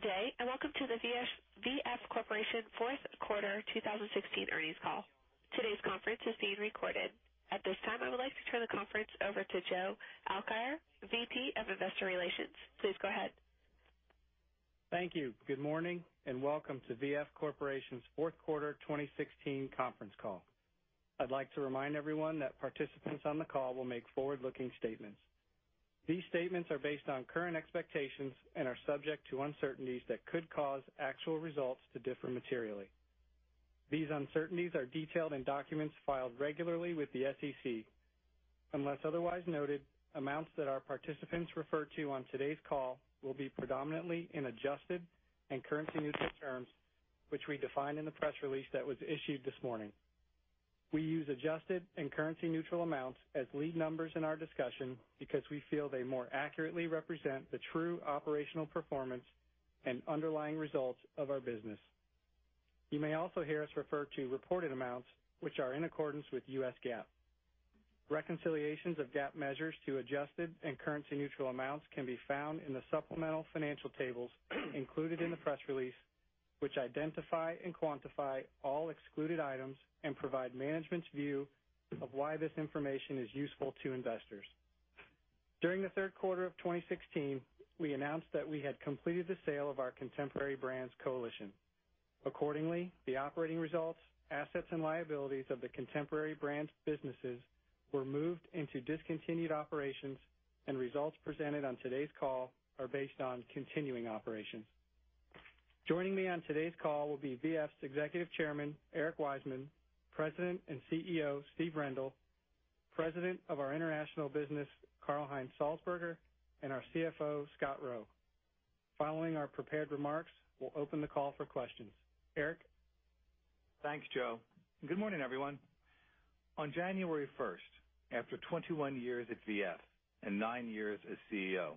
Good day, welcome to the V.F. Corporation fourth quarter 2016 earnings call. Today's conference is being recorded. At this time, I would like to turn the conference over to Joe Alkire, VP of Investor Relations. Please go ahead. Thank you. Good morning, welcome to V.F. Corporation's fourth quarter 2016 conference call. I'd like to remind everyone that participants on the call will make forward-looking statements. These statements are based on current expectations and are subject to uncertainties that could cause actual results to differ materially. These uncertainties are detailed in documents filed regularly with the SEC. Unless otherwise noted, amounts that our participants refer to on today's call will be predominantly in adjusted and currency-neutral terms, which we define in the press release that was issued this morning. We use adjusted and currency neutral amounts as lead numbers in our discussion because we feel they more accurately represent the true operational performance and underlying results of our business. You may also hear us refer to reported amounts, which are in accordance with U.S. GAAP. Reconciliations of GAAP measures to adjusted and currency neutral amounts can be found in the supplemental financial tables included in the press release, which identify and quantify all excluded items and provide management's view of why this information is useful to investors. During the third quarter of 2016, we announced that we had completed the sale of our Contemporary Brands coalition. Accordingly, the operating results, assets, and liabilities of the Contemporary Brands businesses were moved into discontinued operations, and results presented on today's call are based on continuing operations. Joining me on today's call will be VF's Executive Chairman, Eric Wiseman; President and CEO, Steve Rendle; President of our International Business, Karl Heinz Salzburger; and our CFO, Scott Roe. Following our prepared remarks, we'll open the call for questions. Eric. Thanks, Joe. Good morning, everyone. On January 1st, after 21 years at VF and nine years as CEO,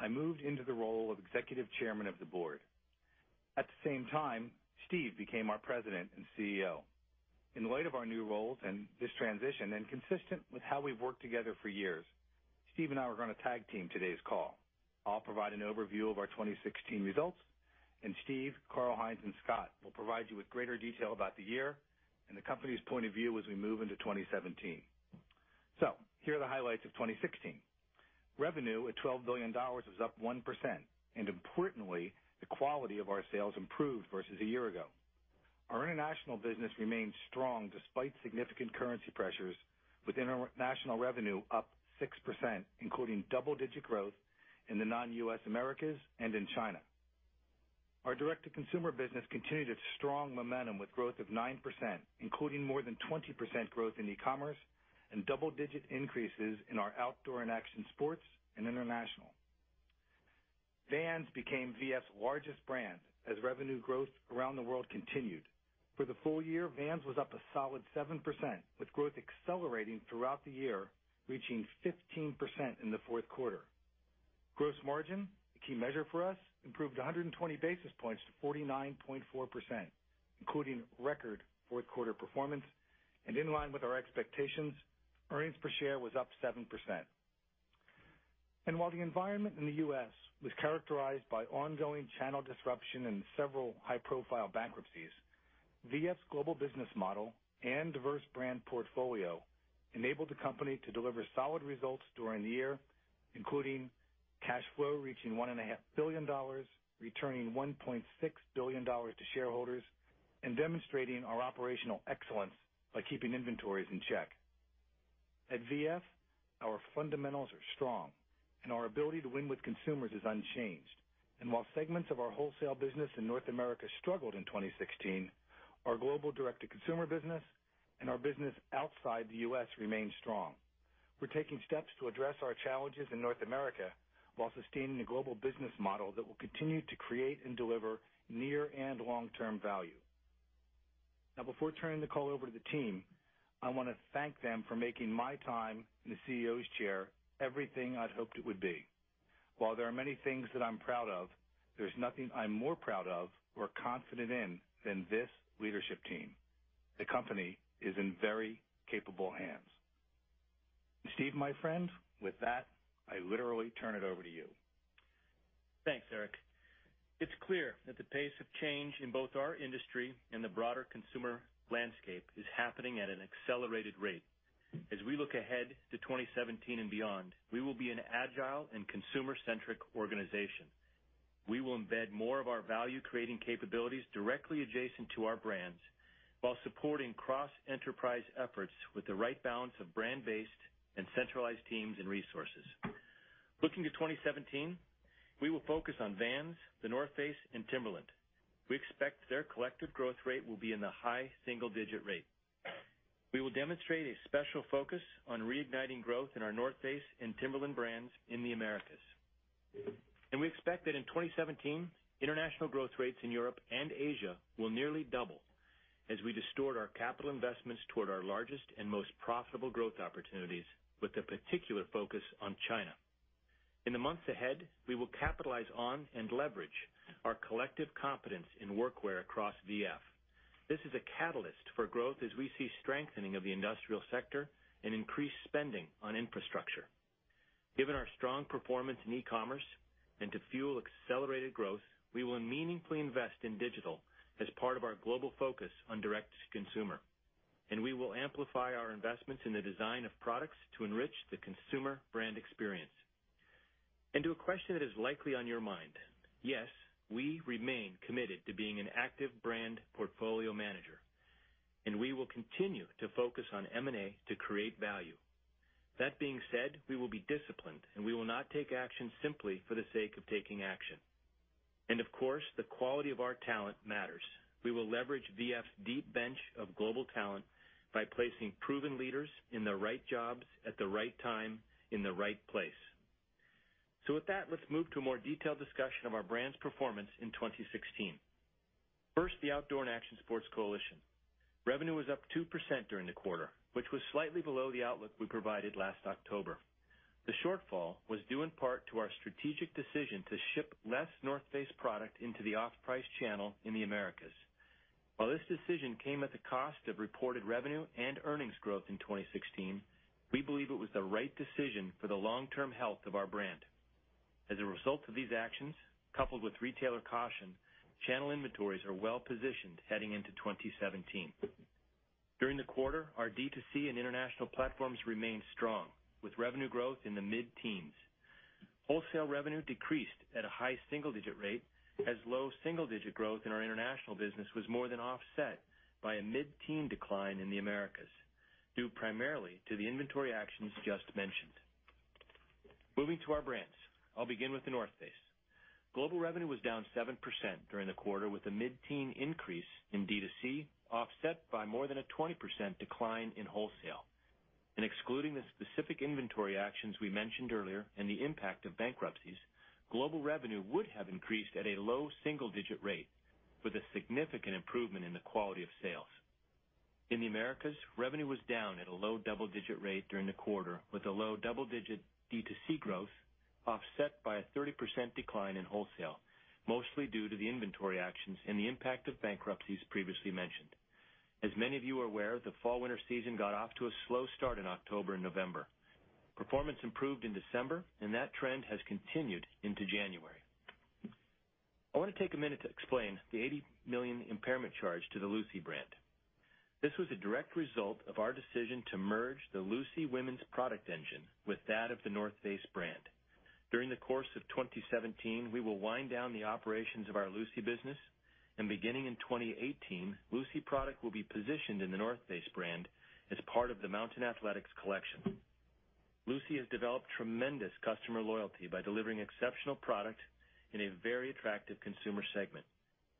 I moved into the role of Executive Chairman of the Board. At the same time, Steve became our President and CEO. In light of our new roles and this transition, consistent with how we've worked together for years, Steve and I are going to tag team today's call. I'll provide an overview of our 2016 results, Steve, Karl Heinz, and Scott will provide you with greater detail about the year and the company's point of view as we move into 2017. Here are the highlights of 2016. Revenue at $12 billion is up 1%, importantly, the quality of our sales improved versus a year ago. Our international business remained strong despite significant currency pressures with international revenue up 6%, including double-digit growth in the non-U.S. Americas and in China. Our direct-to-consumer business continued its strong momentum with growth of 9%, including more than 20% growth in e-commerce and double-digit increases in our Outdoor & Action Sports and international. Vans became VF's largest brand as revenue growth around the world continued. For the full year, Vans was up a solid 7%, with growth accelerating throughout the year, reaching 15% in the fourth quarter. Gross margin, a key measure for us, improved 120 basis points to 49.4%, including record fourth quarter performance and in line with our expectations. Earnings per share was up 7%. While the environment in the U.S. was characterized by ongoing channel disruption and several high-profile bankruptcies, VF's global business model and diverse brand portfolio enabled the company to deliver solid results during the year, including cash flow reaching $1.5 billion, returning $1.6 billion to shareholders, and demonstrating our operational excellence by keeping inventories in check. At VF, our fundamentals are strong. Our ability to win with consumers is unchanged. While segments of our wholesale business in North America struggled in 2016, our global direct-to-consumer business and our business outside the U.S. remained strong. We're taking steps to address our challenges in North America while sustaining a global business model that will continue to create and deliver near and long-term value. Now, before turning the call over to the team, I want to thank them for making my time in the CEO's chair everything I'd hoped it would be. While there are many things that I'm proud of, there's nothing I'm more proud of or confident in than this leadership team. The company is in very capable hands. Steve, my friend, with that, I literally turn it over to you. Thanks, Eric. It's clear that the pace of change in both our industry and the broader consumer landscape is happening at an accelerated rate. As we look ahead to 2017 and beyond, we will be an agile and consumer-centric organization. We will embed more of our value-creating capabilities directly adjacent to our brands while supporting cross-enterprise efforts with the right balance of brand-based and centralized teams and resources. Looking to 2017, we will focus on Vans, The North Face, and Timberland. We expect their collective growth rate will be in the high single-digit rate. We will demonstrate a special focus on reigniting growth in our North Face and Timberland brands in the Americas. We expect that in 2017, international growth rates in Europe and Asia will nearly double as we distort our capital investments toward our largest and most profitable growth opportunities with a particular focus on China. In the months ahead, we will capitalize on and leverage our collective competence in Workwear across VF. This is a catalyst for growth as we see strengthening of the industrial sector and increased spending on infrastructure. Given our strong performance in e-commerce and to fuel accelerated growth, we will meaningfully invest in digital as part of our global focus on direct-to-consumer. We will amplify our investments in the design of products to enrich the consumer brand experience. To a question that is likely on your mind, yes, we remain committed to being an active brand portfolio manager, we will continue to focus on M&A to create value. That being said, we will be disciplined, we will not take action simply for the sake of taking action. Of course, the quality of our talent matters. We will leverage VF's deep bench of global talent by placing proven leaders in the right jobs at the right time in the right place. With that, let's move to a more detailed discussion of our brand's performance in 2016. First, the Outdoor & Action Sports coalition. Revenue was up 2% during the quarter, which was slightly below the outlook we provided last October. The shortfall was due in part to our strategic decision to ship less North Face product into the off-price channel in the Americas. While this decision came at the cost of reported revenue and earnings growth in 2016, we believe it was the right decision for the long-term health of our brand. As a result of these actions, coupled with retailer caution, channel inventories are well-positioned heading into 2017. During the quarter, our D2C and international platforms remained strong, with revenue growth in the mid-teens. Wholesale revenue decreased at a high single-digit rate as low single-digit growth in our international business was more than offset by a mid-teen decline in the Americas, due primarily to the inventory actions just mentioned. Moving to our brands. I'll begin with The North Face. Global revenue was down 7% during the quarter, with a mid-teen increase in D2C, offset by more than a 20% decline in wholesale. Excluding the specific inventory actions we mentioned earlier and the impact of bankruptcies, global revenue would have increased at a low single-digit rate with a significant improvement in the quality of sales. In the Americas, revenue was down at a low double-digit rate during the quarter with a low double-digit D2C growth offset by a 30% decline in wholesale, mostly due to the inventory actions and the impact of bankruptcies previously mentioned. As many of you are aware, the fall/winter season got off to a slow start in October and November. Performance improved in December, that trend has continued into January. I want to take a minute to explain the $80 million impairment charge to the Lucy brand. This was a direct result of our decision to merge the Lucy women's product engine with that of the North Face brand. During the course of 2017, we will wind down the operations of our Lucy business, beginning in 2018, Lucy product will be positioned in the North Face brand as part of the Mountain Athletics collection. Lucy has developed tremendous customer loyalty by delivering exceptional product in a very attractive consumer segment.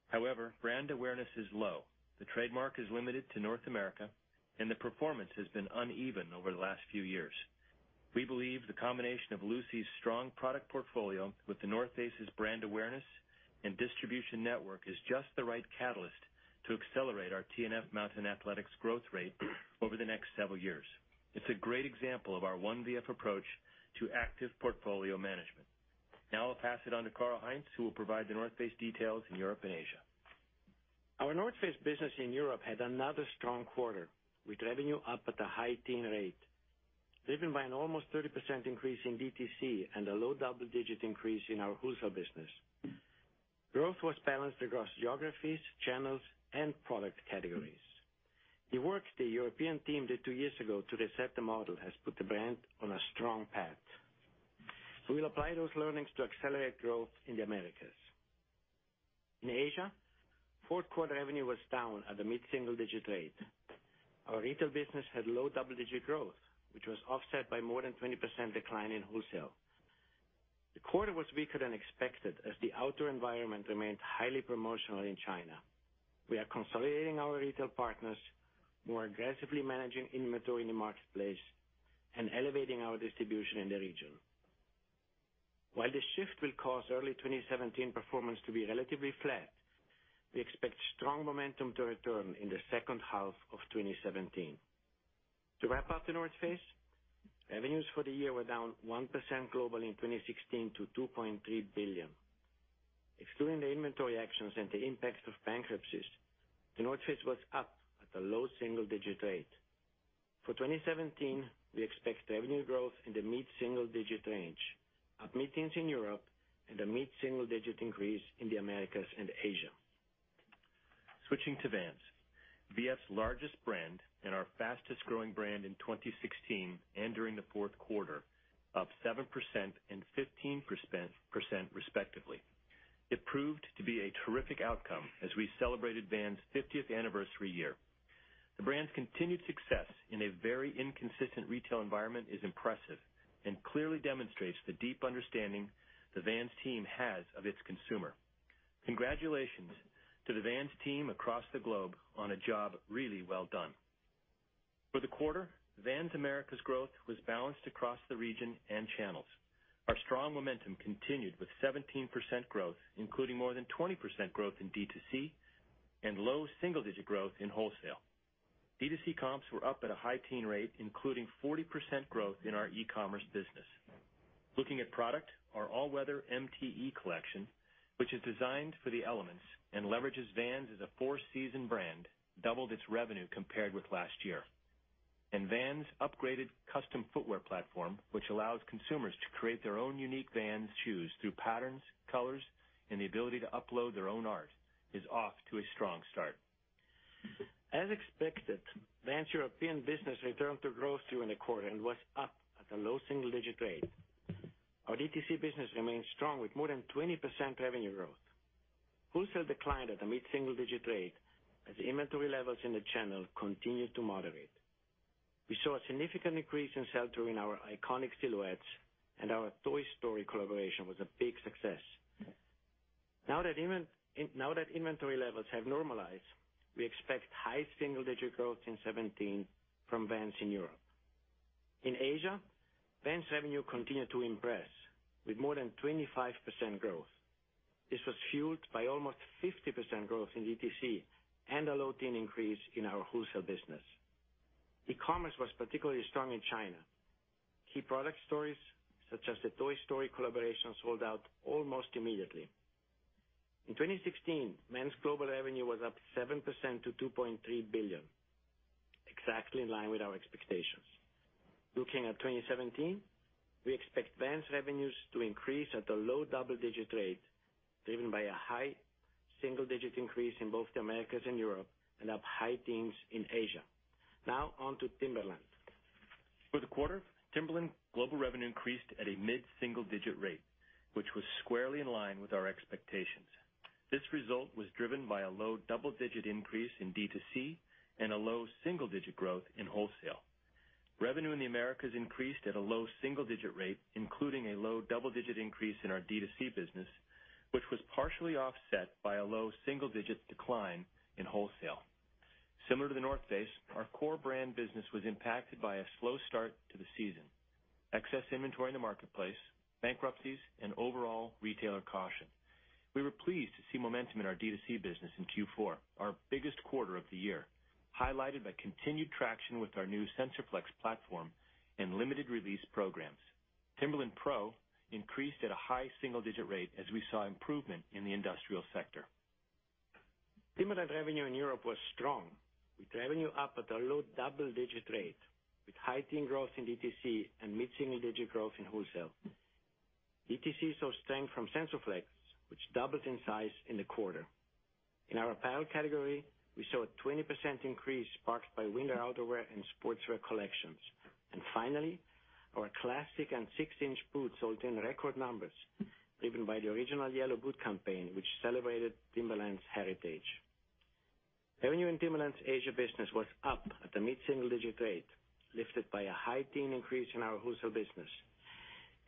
However, brand awareness is low. The trademark is limited to North America, and the performance has been uneven over the last few years. We believe the combination of Lucy's strong product portfolio with The North Face's brand awareness and distribution network is just the right catalyst to accelerate our TNF Mountain Athletics growth rate over the next several years. It's a great example of our One VF approach to active portfolio management. I'll pass it on to Karl Heinz, who will provide The North Face details in Europe and Asia. Our The North Face business in Europe had another strong quarter, with revenue up at a high teen rate, driven by an almost 30% increase in DTC and a low double-digit increase in our wholesale business. Growth was balanced across geographies, channels, and product categories. The work the European team did two years ago to reset the model has put the brand on a strong path. We will apply those learnings to accelerate growth in the Americas. Asia, fourth quarter revenue was down at a mid-single-digit rate. Our retail business had low double-digit growth, which was offset by more than 20% decline in wholesale. The quarter was weaker than expected as the outdoor environment remained highly promotional in China. We are consolidating our retail partners, more aggressively managing inventory in the marketplace, and elevating our distribution in the region. This shift will cause early 2017 performance to be relatively flat, we expect strong momentum to return in the second half of 2017. To wrap up The North Face, revenues for the year were down 1% globally in 2016 to $2.3 billion. Excluding the inventory actions and the impacts of bankruptcies, The North Face was up at a low single-digit rate. 2017, we expect revenue growth in the mid-single-digit range, up mid-teens in Europe and a mid-single-digit increase in the Americas and Asia. Switching to Vans, VF's largest brand and our fastest-growing brand in 2016 and during the fourth quarter, up 7% and 15%, respectively. It proved to be a terrific outcome as we celebrated Vans' 50th anniversary year. The brand's continued success in a very inconsistent retail environment is impressive and clearly demonstrates the deep understanding the Vans team has of its consumer. Congratulations to the Vans team across the globe on a job really well done. The quarter, Vans Americas growth was balanced across the region and channels. Our strong momentum continued with 17% growth, including more than 20% growth in D2C and low single-digit growth in wholesale. D2C comps were up at a high teen rate, including 40% growth in our e-commerce business. Looking at product, our all-weather MTE collection, which is designed for the elements and leverages Vans as a four-season brand, doubled its revenue compared with last year. Vans' upgraded custom footwear platform, which allows consumers to create their own unique Vans shoes through patterns, colors, and the ability to upload their own art, is off to a strong start. As expected, Vans European business returned to growth during the quarter and was up at a low single-digit rate. Our DTC business remains strong with more than 20% revenue growth. Wholesale declined at a mid-single digit rate as inventory levels in the channel continued to moderate. We saw a significant increase in sell-through in our iconic silhouettes. Our Toy Story collaboration was a big success. Now that inventory levels have normalized, we expect high single-digit growth in 2017 from Vans in Europe. In Asia, Vans revenue continued to impress with more than 25% growth. This was fueled by almost 50% growth in DTC and a low teen increase in our wholesale business. E-commerce was particularly strong in China. Key product stories such as the Toy Story collaboration sold out almost immediately. In 2016, Vans global revenue was up 7% to $2.3 billion, exactly in line with our expectations. Looking at 2017, we expect Vans revenues to increase at a low double-digit rate, driven by a high single-digit increase in both the Americas and Europe, up high teens in Asia. Now on to Timberland. For the quarter, Timberland global revenue increased at a mid-single digit rate, which was squarely in line with our expectations. This result was driven by a low double-digit increase in D2C and a low single-digit growth in wholesale. Revenue in the Americas increased at a low single-digit rate, including a low double-digit increase in our D2C business, which was partially offset by a low single-digit decline in wholesale. Similar to The North Face, our core brand business was impacted by a slow start to the season, excess inventory in the marketplace, bankruptcies, and overall retailer caution. We were pleased to see momentum in our D2C business in Q4, our biggest quarter of the year, highlighted by continued traction with our new SensorFlex platform and limited release programs. Timberland PRO increased at a high single-digit rate as we saw improvement in the industrial sector. Timberland revenue in Europe was strong, with revenue up at a low double-digit rate, with high teen growth in DTC and mid-single digit growth in wholesale. DTC saw strength from SensorFlex, which doubled in size in the quarter. In our apparel category, we saw a 20% increase sparked by winter outerwear and sportswear collections. Finally, our classic and six-inch boots sold in record numbers, driven by the original yellow boot campaign, which celebrated Timberland's heritage. Revenue in Timberland's Asia business was up at a mid-single digit rate, lifted by a high teen increase in our wholesale business.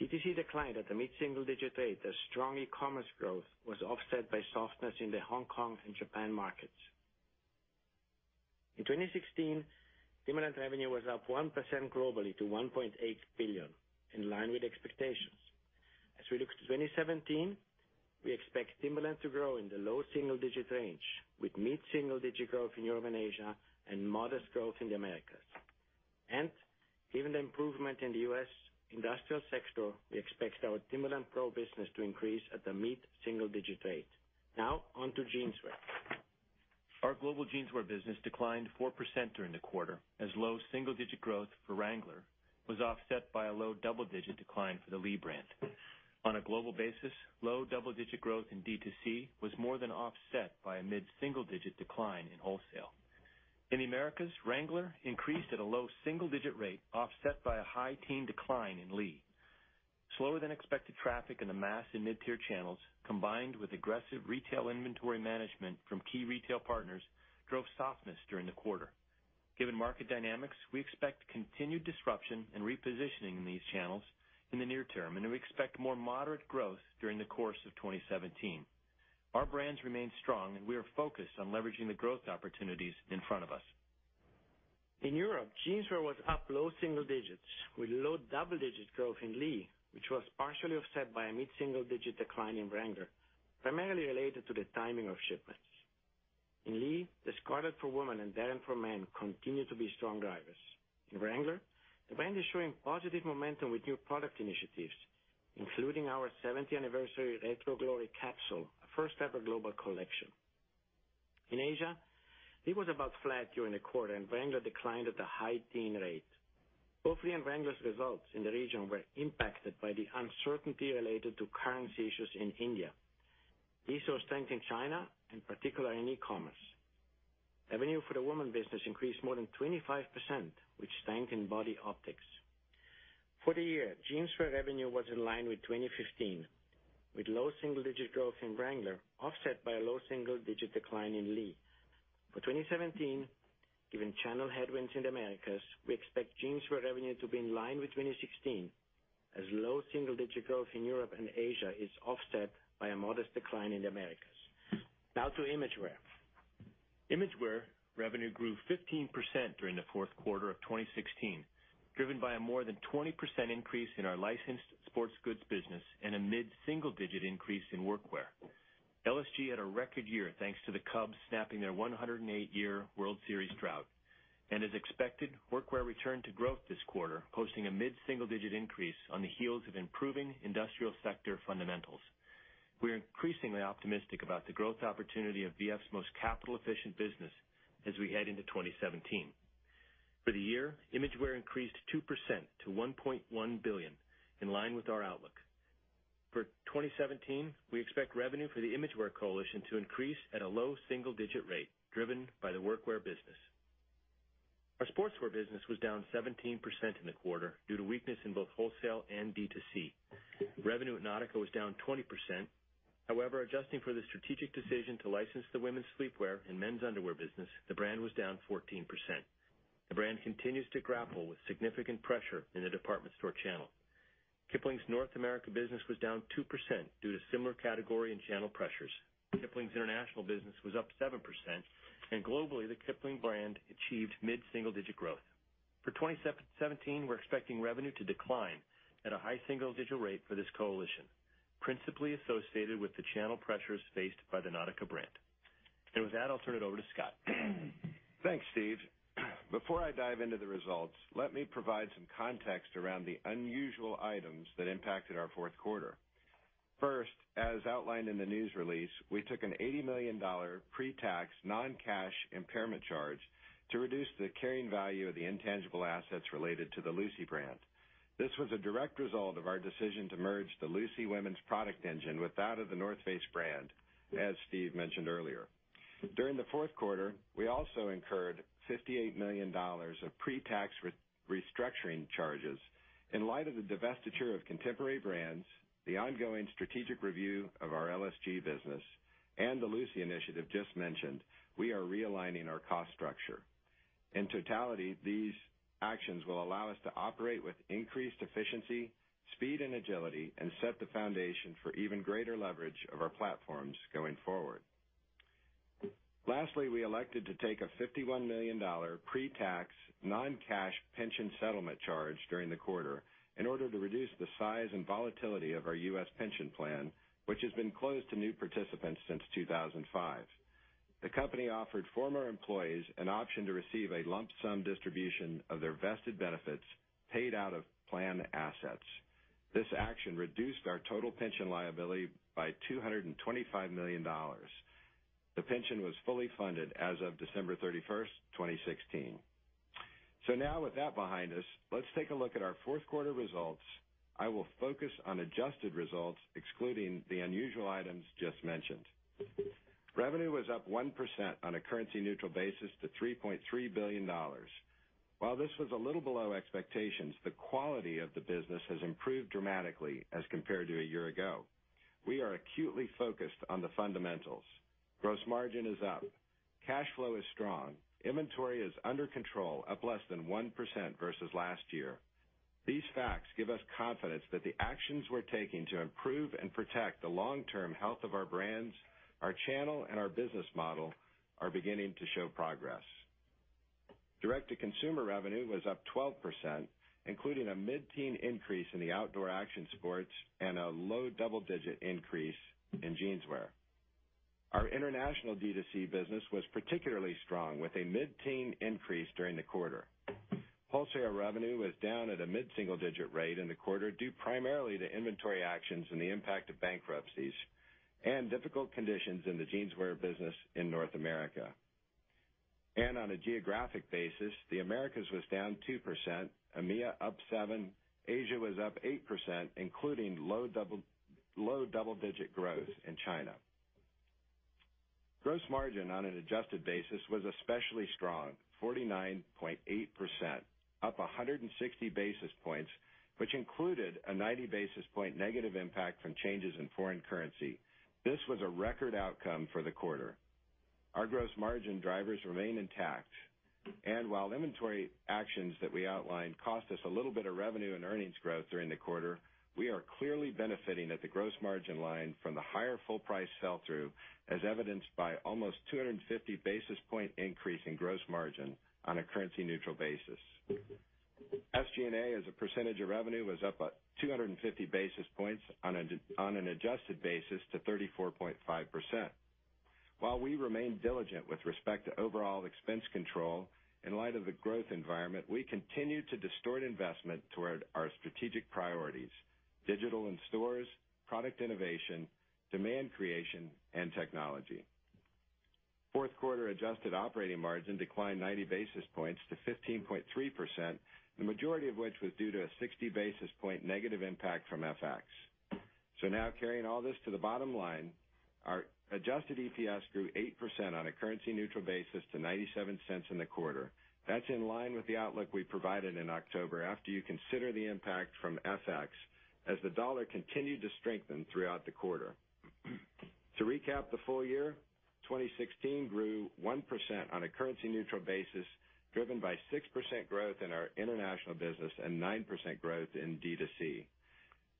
DTC declined at a mid-single digit rate as strong e-commerce growth was offset by softness in the Hong Kong and Japan markets. In 2016, Timberland revenue was up 1% globally to $1.8 billion, in line with expectations. As we look to 2017, we expect Timberland to grow in the low single-digit range with mid-single digit growth in Europe and Asia and modest growth in the Americas. Given the improvement in the U.S. industrial sector, we expect our Timberland PRO business to increase at a mid-single digit rate. Now on to Jeanswear. Our global Jeanswear business declined 4% during the quarter as low single-digit growth for Wrangler was offset by a low double-digit decline for the Lee brand. On a global basis, low double-digit growth in D2C was more than offset by a mid-single digit decline in wholesale. In the Americas, Wrangler increased at a low single-digit rate, offset by a high teen decline in Lee. Slower-than-expected traffic in the mass and mid-tier channels, combined with aggressive retail inventory management from key retail partners, drove softness during the quarter. Given market dynamics, we expect continued disruption and repositioning in these channels in the near term, we expect more moderate growth during the course of 2017. Our brands remain strong, we are focused on leveraging the growth opportunities in front of us. In Europe, Jeanswear was up low single digits, with low double-digit growth in Lee, which was partially offset by a mid-single digit decline in Wrangler, primarily related to the timing of shipments. In Lee, the Scarlett for women and Daren for men continued to be strong drivers. In Wrangler, the brand is showing positive momentum with new product initiatives, including our 70th anniversary Retro Glory capsule, a first-ever global collection. In Asia, Lee was about flat during the quarter, Wrangler declined at a high teen rate. Both Lee and Wrangler's results in the region were impacted by the uncertainty related to currency issues in India. Lee saw strength in China, particularly in e-commerce. Revenue for the women business increased more than 25%, which strengthened Body Optix. For the year, Jeanswear revenue was in line with 2015, with low single-digit growth in Wrangler, offset by a low single-digit decline in Lee. For 2017, given channel headwinds in the Americas, we expect Jeanswear revenue to be in line with 2016, as low single-digit growth in Europe and Asia is offset by a modest decline in the Americas. Now to Imagewear. Imagewear revenue grew 15% during the fourth quarter of 2016, driven by a more than 20% increase in our licensed sports goods business and a mid-single-digit increase in Workwear. LSG had a record year, thanks to the Cubs snapping their 108-year World Series drought. As expected, Workwear returned to growth this quarter, posting a mid-single-digit increase on the heels of improving industrial sector fundamentals. We are increasingly optimistic about the growth opportunity of V.F.'s most capital-efficient business as we head into 2017. For the year, Imagewear increased 2% to $1.1 billion, in line with our outlook. For 2017, we expect revenue for the Imagewear coalition to increase at a low single-digit rate, driven by the Workwear business. Our Sportswear business was down 17% in the quarter due to weakness in both wholesale and D2C. Revenue at Nautica was down 20%. Adjusting for the strategic decision to license the women's sleepwear and men's underwear business, the brand was down 14%. The brand continues to grapple with significant pressure in the department store channel. Kipling's North America business was down 2% due to similar category and channel pressures. Kipling's international business was up 7%, globally, the Kipling brand achieved mid-single-digit growth. For 2017, we're expecting revenue to decline at a high single-digit rate for this coalition, principally associated with the channel pressures faced by the Nautica brand. With that, I'll turn it over to Scott. Thanks, Steve. Before I dive into the results, let me provide some context around the unusual items that impacted our fourth quarter. First, as outlined in the news release, we took an $80 million pre-tax non-cash impairment charge to reduce the carrying value of the intangible assets related to the Lucy brand. This was a direct result of our decision to merge the Lucy women's product engine with that of The North Face brand, as Steve mentioned earlier. During the fourth quarter, we also incurred $58 million of pre-tax restructuring charges. In light of the divestiture of Contemporary Brands, the ongoing strategic review of our LSG business, and the Lucy initiative just mentioned, we are realigning our cost structure. In totality, these actions will allow us to operate with increased efficiency, speed, and agility, and set the foundation for even greater leverage of our platforms going forward. Lastly, we elected to take a $51 million pre-tax non-cash pension settlement charge during the quarter in order to reduce the size and volatility of our U.S. pension plan, which has been closed to new participants since 2005. The company offered former employees an option to receive a lump sum distribution of their vested benefits paid out of plan assets. This action reduced our total pension liability by $225 million. The pension was fully funded as of December 31st, 2016. Now with that behind us, let's take a look at our fourth quarter results. I will focus on adjusted results excluding the unusual items just mentioned. Revenue was up 1% on a currency-neutral basis to $3.3 billion. While this was a little below expectations, the quality of the business has improved dramatically as compared to a year ago. We are acutely focused on the fundamentals. Gross margin is up. Cash flow is strong. Inventory is under control, up less than 1% versus last year. These facts give us confidence that the actions we're taking to improve and protect the long-term health of our brands, our channel, and our business model are beginning to show progress. Direct-to-consumer revenue was up 12%, including a mid-teen increase in the Outdoor & Action Sports and a low double-digit increase in Jeanswear. Our international D2C business was particularly strong with a mid-teen increase during the quarter. Wholesale revenue was down at a mid-single-digit rate in the quarter due primarily to inventory actions and the impact of bankruptcies and difficult conditions in the Jeanswear business in North America. On a geographic basis, the Americas was down 2%, EMEA up 7%, Asia was up 8%, including low double-digit growth in China. Gross margin on an adjusted basis was especially strong, 49.8%, up 160 basis points, which included a 90-basis-point negative impact from changes in foreign currency. This was a record outcome for the quarter. Our gross margin drivers remain intact. While inventory actions that we outlined cost us a little bit of revenue and earnings growth during the quarter, we are clearly benefiting at the gross margin line from the higher full price sell-through, as evidenced by almost 250 basis point increase in gross margin on a currency-neutral basis. SG&A as a percentage of revenue was up 250 basis points on an adjusted basis to 34.5%. While we remain diligent with respect to overall expense control, in light of the growth environment, we continue to distort investment toward our strategic priorities: digital and stores, product innovation, demand creation, and technology. Fourth quarter adjusted operating margin declined 90 basis points to 15.3%, the majority of which was due to a 60-basis-point negative impact from FX. Now carrying all this to the bottom line, our adjusted EPS grew 8% on a currency-neutral basis to $0.97 in the quarter. That's in line with the outlook we provided in October after you consider the impact from FX as the dollar continued to strengthen throughout the quarter. To recap the full year, 2016 grew 1% on a currency-neutral basis, driven by 6% growth in our international business and 9% growth in D2C.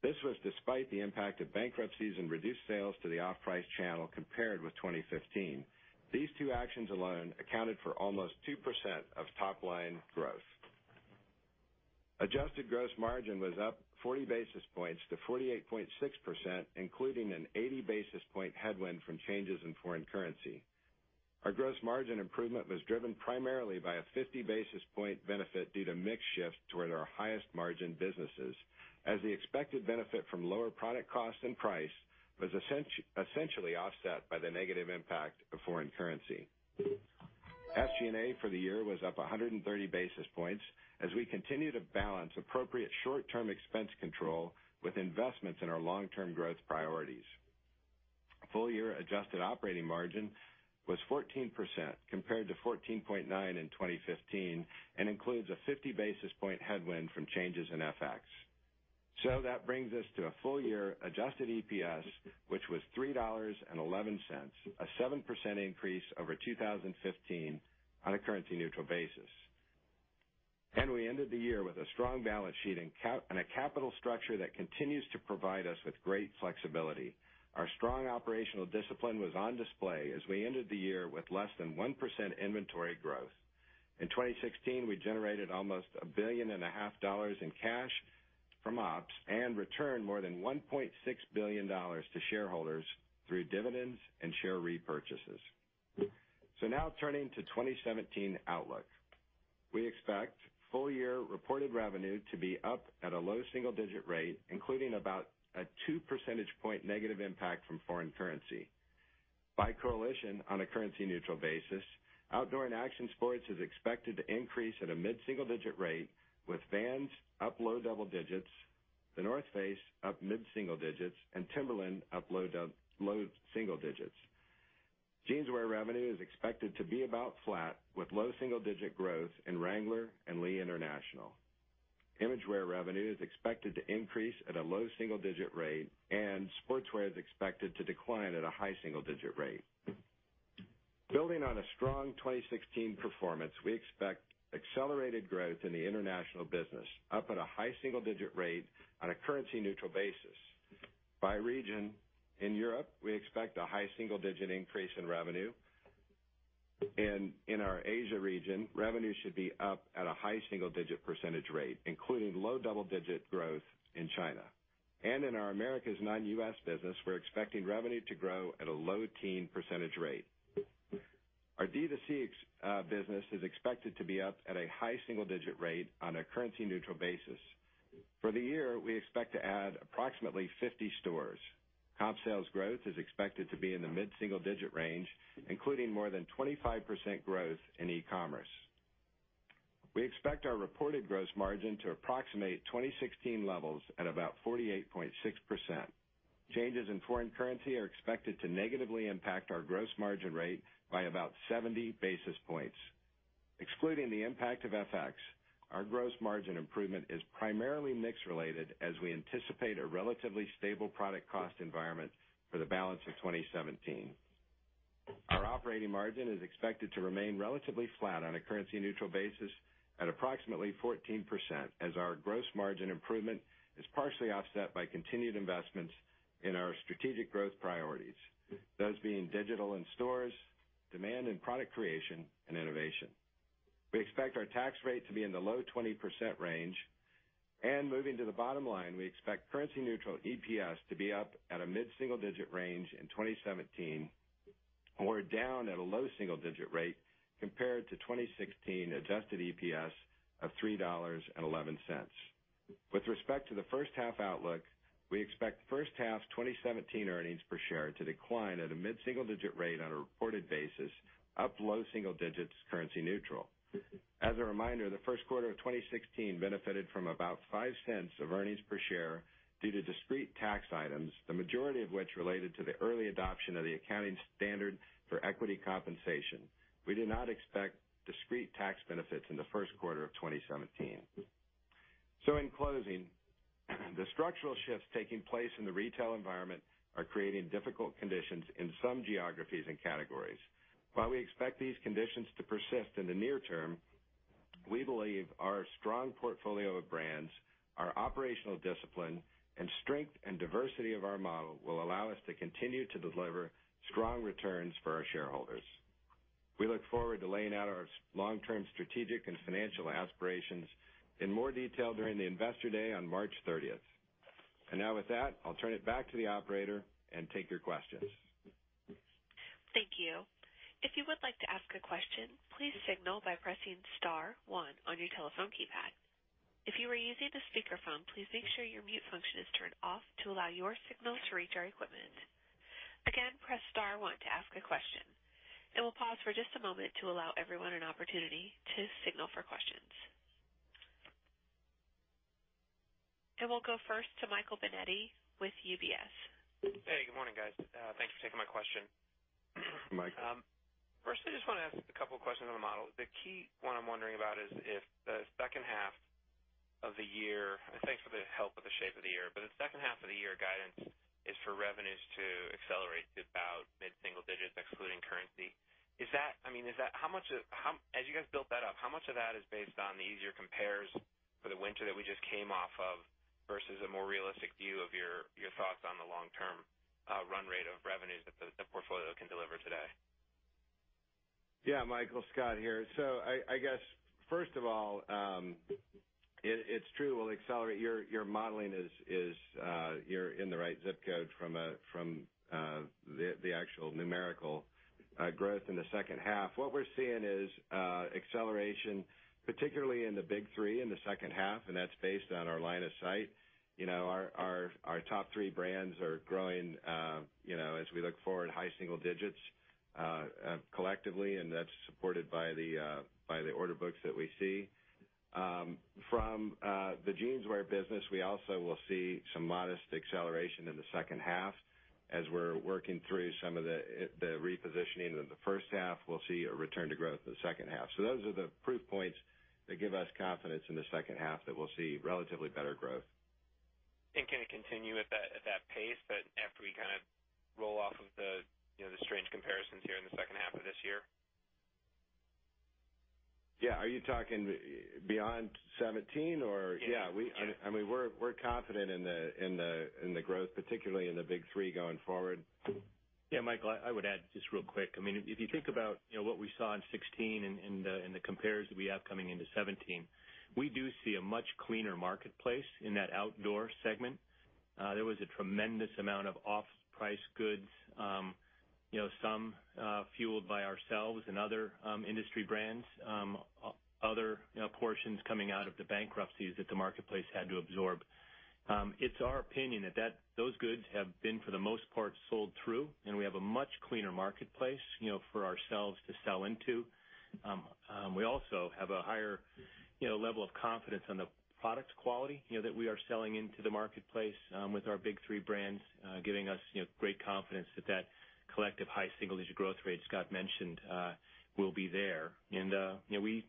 This was despite the impact of bankruptcies and reduced sales to the off-price channel compared with 2015. These two actions alone accounted for almost 2% of top-line. Adjusted gross margin was up 40 basis points to 48.6%, including an 80 basis point headwind from changes in foreign currency. Our gross margin improvement was driven primarily by a 50 basis point benefit due to mix shift toward our highest margin businesses. The expected benefit from lower product costs and price was essentially offset by the negative impact of foreign currency. SG&A for the year was up 130 basis points as we continue to balance appropriate short-term expense control with investments in our long-term growth priorities. Full-year adjusted operating margin was 14% compared to 14.9% in 2015 and includes a 50 basis point headwind from changes in FX. That brings us to a full-year adjusted EPS, which was $3.11, a 7% increase over 2015 on a currency-neutral basis. We ended the year with a strong balance sheet and a capital structure that continues to provide us with great flexibility. Our strong operational discipline was on display as we ended the year with less than 1% inventory growth. In 2016, we generated almost $1.5 billion in cash from ops and returned more than $1.6 billion to shareholders through dividends and share repurchases. Now turning to 2017 outlook. We expect full-year reported revenue to be up at a low single-digit rate, including about a 2 percentage point negative impact from foreign currency. By coalition on a currency-neutral basis, Outdoor & Action Sports is expected to increase at a mid-single digit rate with Vans up low double digits, The North Face up mid-single digits, and Timberland up low single digits. Jeanswear revenue is expected to be about flat with low single-digit growth in Wrangler and Lee International. Imagewear revenue is expected to increase at a low single-digit rate, and Sportswear is expected to decline at a high single-digit rate. Building on a strong 2016 performance, we expect accelerated growth in the international business, up at a high single-digit rate on a currency-neutral basis. By region, in Europe, we expect a high single-digit increase in revenue. In our Asia region, revenue should be up at a high single-digit percentage rate, including low double-digit growth in China. In our Americas non-U.S. business, we're expecting revenue to grow at a low teen percentage rate. Our D2C business is expected to be up at a high single-digit rate on a currency-neutral basis. For the year, we expect to add approximately 50 stores. Comp sales growth is expected to be in the mid-single digit range, including more than 25% growth in e-commerce. We expect our reported gross margin to approximate 2016 levels at about 48.6%. Changes in foreign currency are expected to negatively impact our gross margin rate by about 70 basis points. Excluding the impact of FX, our gross margin improvement is primarily mix-related as we anticipate a relatively stable product cost environment for the balance of 2017. Our operating margin is expected to remain relatively flat on a currency-neutral basis at approximately 14% as our gross margin improvement is partially offset by continued investments in our strategic growth priorities. Those being digital and stores, demand and product creation, and innovation. We expect our tax rate to be in the low 20% range. Moving to the bottom line, we expect currency neutral EPS to be up at a mid-single digit range in 2017 or down at a low single-digit rate compared to 2016 adjusted EPS of $3.11. With respect to the first half outlook, we expect first half 2017 earnings per share to decline at a mid-single digit rate on a reported basis, up low single digits currency neutral. As a reminder, the first quarter of 2016 benefited from about $0.05 of earnings per share due to discrete tax items, the majority of which related to the early adoption of the accounting standard for equity compensation. We do not expect discrete tax benefits in the first quarter of 2017. In closing, the structural shifts taking place in the retail environment are creating difficult conditions in some geographies and categories. While we expect these conditions to persist in the near term, we believe our strong portfolio of brands, our operational discipline, and strength and diversity of our model will allow us to continue to deliver strong returns for our shareholders. We look forward to laying out our long-term strategic and financial aspirations in more detail during the Investor Day on March 30th. Now with that, I'll turn it back to the operator and take your questions. Thank you. If you would like to ask a question, please signal by pressing *1 on your telephone keypad. If you are using a speakerphone, please make sure your mute function is turned off to allow your signal to reach our equipment. Again, press *1 to ask a question. We'll pause for just a moment to allow everyone an opportunity to signal for questions. We'll go first to Michael Binetti with UBS. Hey, good morning, guys. Thanks for taking my question. Mike. Firstly, I just want to ask a couple questions on the model. The key one I'm wondering about is if the second half of the year, thanks for the help with the shape of the year, but the second half of the year guidance is for revenues to accelerate to about mid-single digits excluding currency. As you guys built that up, how much of that is based on the easier compares for the winter that we just came off of versus a more realistic view of your thoughts on the long-term run rate of revenues that the portfolio can deliver today? Yeah, Michael, Scott here. I guess first of all, it's true, we'll accelerate. Your modeling is you're in the right ZIP code from the actual numerical growth in the second half. What we're seeing is acceleration, particularly in the big three in the second half, and that's based on our line of sight. Our top three brands are growing, as we look forward, high single digits collectively, and that's supported by the order books that we see. From the Jeanswear business, we also will see some modest acceleration in the second half as we're working through some of the repositioning of the first half. We'll see a return to growth in the second half. Those are the proof points that give us confidence in the second half that we'll see relatively better growth. Can it continue at that pace after we kind of roll off of the strange comparisons here in the second half of this year? Yeah. Are you talking beyond 2017? Yeah. Yeah. We are confident in the growth, particularly in the big three going forward. Yeah, Michael, I would add just real quick. If you think about what we saw in 2016 and the compares that we have coming into 2017, we do see a much cleaner marketplace in that Outdoor segment. There was a tremendous amount of off-price goods, some fueled by ourselves and other industry brands. Other portions coming out of the bankruptcies that the marketplace had to absorb. It is our opinion that those goods have been, for the most part, sold through, and we have a much cleaner marketplace for ourselves to sell into. We also have a higher level of confidence on the product quality that we are selling into the marketplace with our big three brands giving us great confidence that collective high single-digit growth rate Scott mentioned will be there. We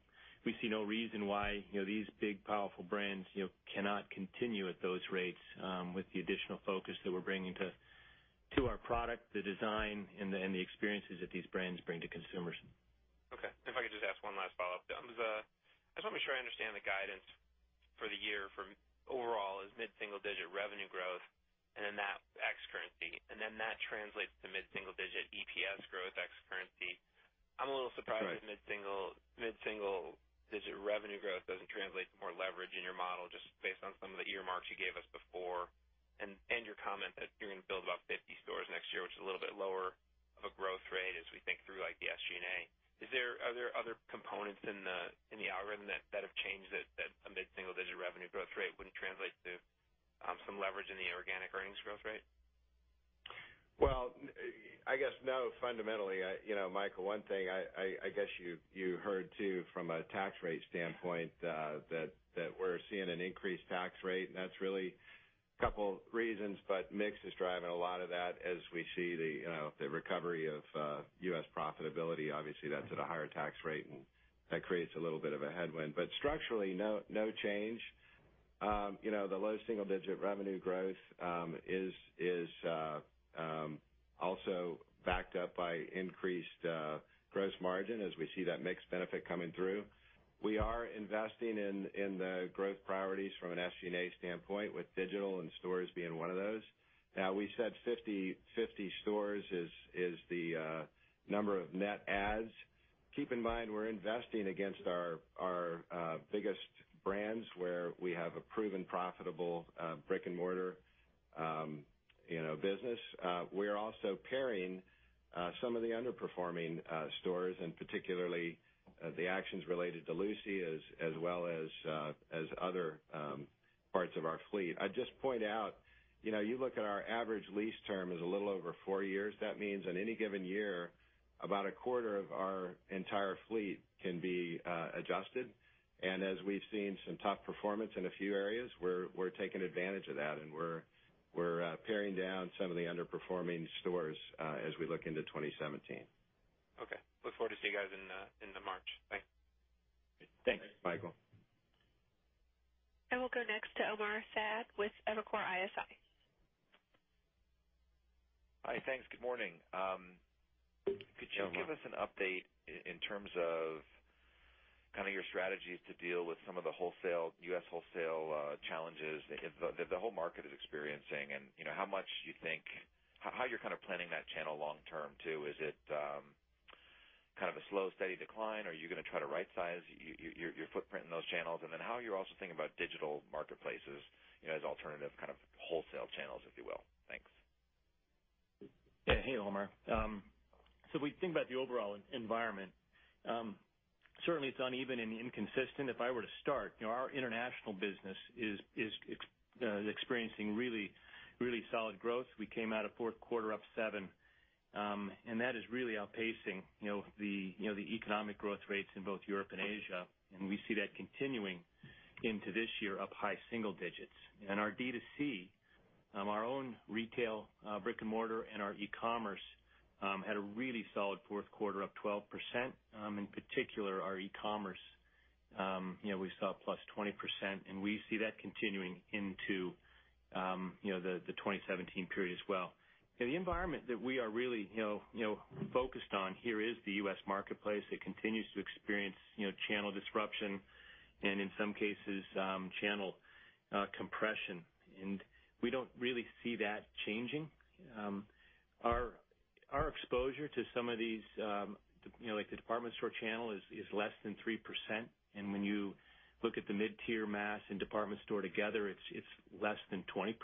see no reason why these big, powerful brands cannot continue at those rates with the additional focus that we are bringing to our product, the design, and the experiences that these brands bring to consumers. Okay. If I could just ask one last follow-up. I just want to make sure I understand the guidance for the year from overall is mid-single-digit revenue growth ex currency, and then that translates to mid-single-digit EPS growth ex currency. I am a little surprised that mid-single-digit revenue growth doesn't translate to more leverage in your model, just based on some of the earmarks you gave us before and your comment that you are going to build about 50 stores next year, which is a little bit lower of a growth rate as we think through the SG&A. Are there other components in the algorithm that have changed that a mid-single-digit revenue growth rate wouldn't translate to some leverage in the organic earnings growth rate? Well, I guess no. Fundamentally, Michael, one thing I guess you heard too from a tax rate standpoint that we're seeing an increased tax rate. That's really a couple reasons, but mix is driving a lot of that as we see the recovery of U.S. profitability. Obviously, that's at a higher tax rate, and that creates a little bit of a headwind. Structurally, no change. The low single-digit revenue growth is also backed up by increased gross margin as we see that mix benefit coming through. We are investing in the growth priorities from an SG&A standpoint, with digital and stores being one of those. We said 50 stores is the number of net adds. Keep in mind, we're investing against our biggest brands where we have a proven profitable brick and mortar business. We are also paring some of the underperforming stores, particularly the actions related to Lucy, as well as other parts of our fleet. I'd just point out, you look at our average lease term is a little over four years. That means on any given year, about a quarter of our entire fleet can be adjusted. As we've seen some top performance in a few areas, we're taking advantage of that, and we're paring down some of the underperforming stores as we look into 2017. Okay. Look forward to seeing you guys in the March. Bye. Thanks. Thanks, Michael. We'll go next to Omar Saad with Evercore ISI. Hi, thanks. Good morning. Hey, Omar. Could you give us an update in terms of your strategies to deal with some of the U.S. wholesale challenges that the whole market is experiencing and how you're planning that channel long term, too. Is it a slow, steady decline, or are you going to try to rightsize your footprint in those channels? How are you also thinking about digital marketplaces as alternative wholesale channels, if you will? Thanks. Hey, Omar. We think about the overall environment. Certainly, it's uneven and inconsistent. If I were to start, our international business is experiencing really solid growth. We came out of fourth quarter up 7%. That is really outpacing the economic growth rates in both Europe and Asia, we see that continuing into this year up high single digits. Our D2C, our own retail brick and mortar and our e-commerce, had a really solid fourth quarter, up 12%. In particular, our e-commerce, we saw +20%, we see that continuing into the 2017 period as well. The environment that we are really focused on here is the U.S. marketplace. It continues to experience channel disruption and, in some cases, channel compression. We don't really see that changing. Our exposure to some of these, like the department store channel, is less than 3%. When you look at the mid-tier mass and department store together, it's less than 20%.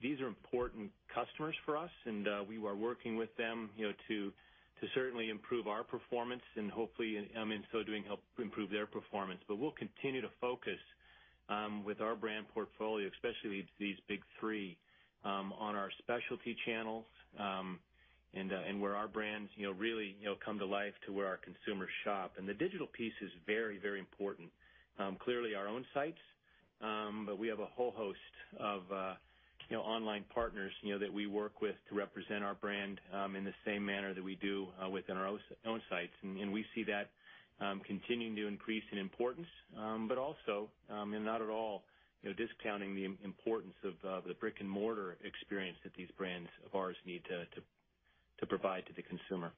These are important customers for us, we are working with them to certainly improve our performance and hopefully in so doing, help improve their performance. We'll continue to focus with our brand portfolio, especially these big three, on our specialty channels and where our brands really come to life to where our consumers shop. The digital piece is very important. Clearly our own sites, we have a whole host of online partners that we work with to represent our brand in the same manner that we do within our own sites. We see that continuing to increase in importance. Also, and not at all discounting the importance of the brick and mortar experience that these brands of ours need to provide to the consumer.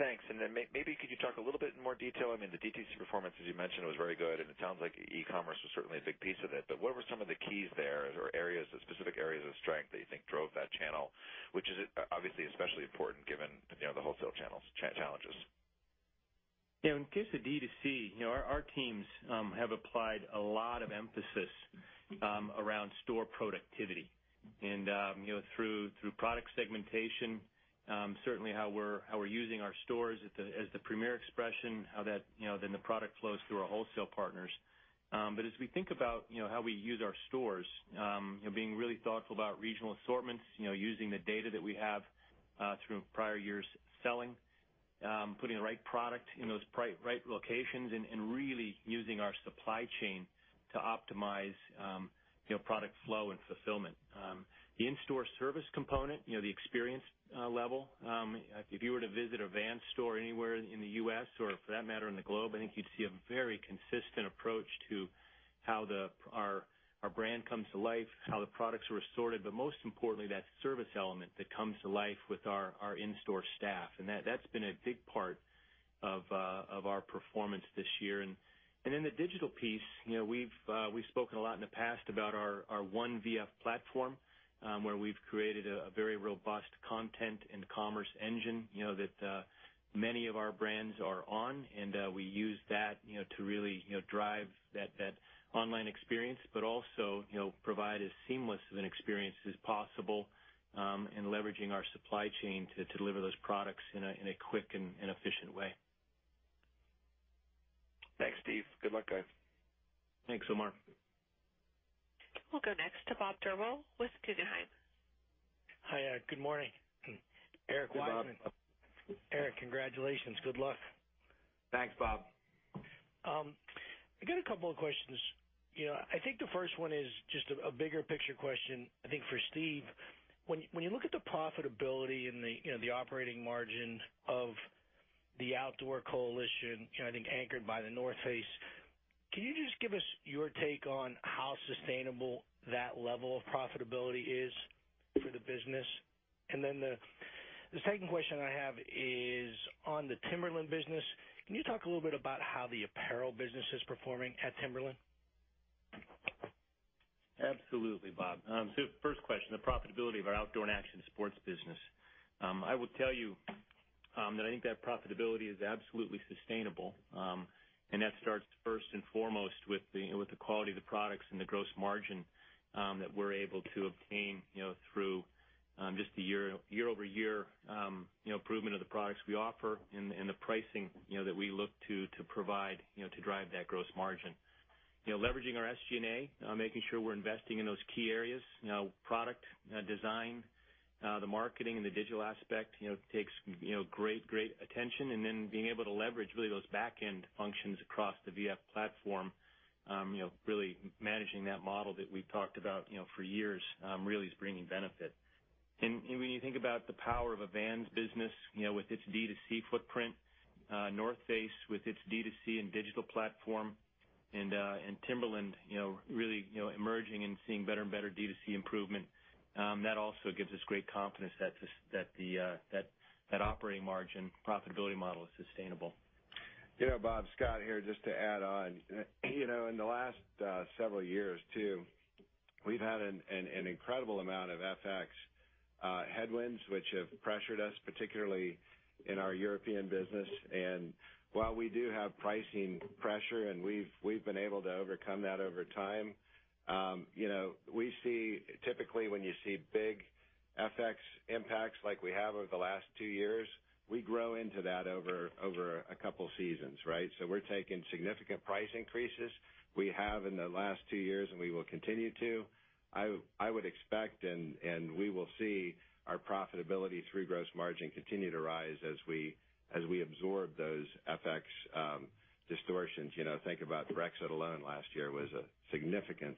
Thanks. Then maybe could you talk a little bit in more detail? I mean, the DTC performance, as you mentioned, was very good, it sounds like e-commerce was certainly a big piece of it, what were some of the keys there, or specific areas of strength that you think drove that channel? Which is obviously especially important given the wholesale channel's challenges. In the case of DTC, our teams have applied a lot of emphasis around store productivity and through product segmentation. Certainly how we're using our stores as the premier expression, how then the product flows through our wholesale partners. As we think about how we use our stores, being really thoughtful about regional assortments, using the data that we have through prior years' selling, putting the right product in those right locations and really using our supply chain to optimize product flow and fulfillment. The in-store service component, the experience level. If you were to visit a Vans store anywhere in the U.S. or for that matter in the globe, I think you'd see a very consistent approach to how our brand comes to life, how the products are assorted, but most importantly, that service element that comes to life with our in-store staff. That's been a big part of our performance this year. In the digital piece, we've spoken a lot in the past about our One VF platform. We've created a very robust content and commerce engine that many of our brands are on. We use that to really drive that online experience, but also provide as seamless of an experience as possible in leveraging our supply chain to deliver those products in a quick and efficient way. Thanks, Steve. Good luck, guys. Thanks, Omar. We'll go next to Bob Drbul with Guggenheim. Hi. Good morning. Eric, Wasserman. Hi, Bob. Eric, congratulations. Good luck. Thanks, Bob. I got a couple of questions. I think the first one is just a bigger picture question, I think for Steve. When you look at the profitability and the operating margin of the outdoor coalition, I think anchored by North Face, can you just give us your take on how sustainable that level of profitability is for the business? Then the second question I have is on the Timberland business. Can you talk a little bit about how the apparel business is performing at Timberland? Absolutely, Bob. First question, the profitability of our Outdoor & Action Sports business. I would tell you that I think that profitability is absolutely sustainable. That starts first and foremost with the quality of the products and the gross margin that we're able to obtain through just the year-over-year improvement of the products we offer and the pricing that we look to provide to drive that gross margin. Leveraging our SG&A, making sure we're investing in those key areas. Product design, the marketing and the digital aspect takes great attention. Then being able to leverage really those back-end functions across the VF platform, really managing that model that we've talked about for years, really is bringing benefit. When you think about the power of a Vans business with its D2C footprint, North Face with its D2C and digital platform, and Timberland really emerging and seeing better and better D2C improvement, that also gives us great confidence that operating margin profitability model is sustainable. Bob, Scott here just to add on. In the last several years, too, we've had an incredible amount of FX headwinds which have pressured us, particularly in our European business. While we do have pricing pressure, and we've been able to overcome that over time, we see typically when you see big FX impacts like we have over the last 2 years, we grow into that over a couple seasons, right. We're taking significant price increases. We have in the last 2 years, and we will continue to. I would expect, and we will see our profitability through gross margin continue to rise as we absorb those FX distortions. Think about Brexit alone last year was a significant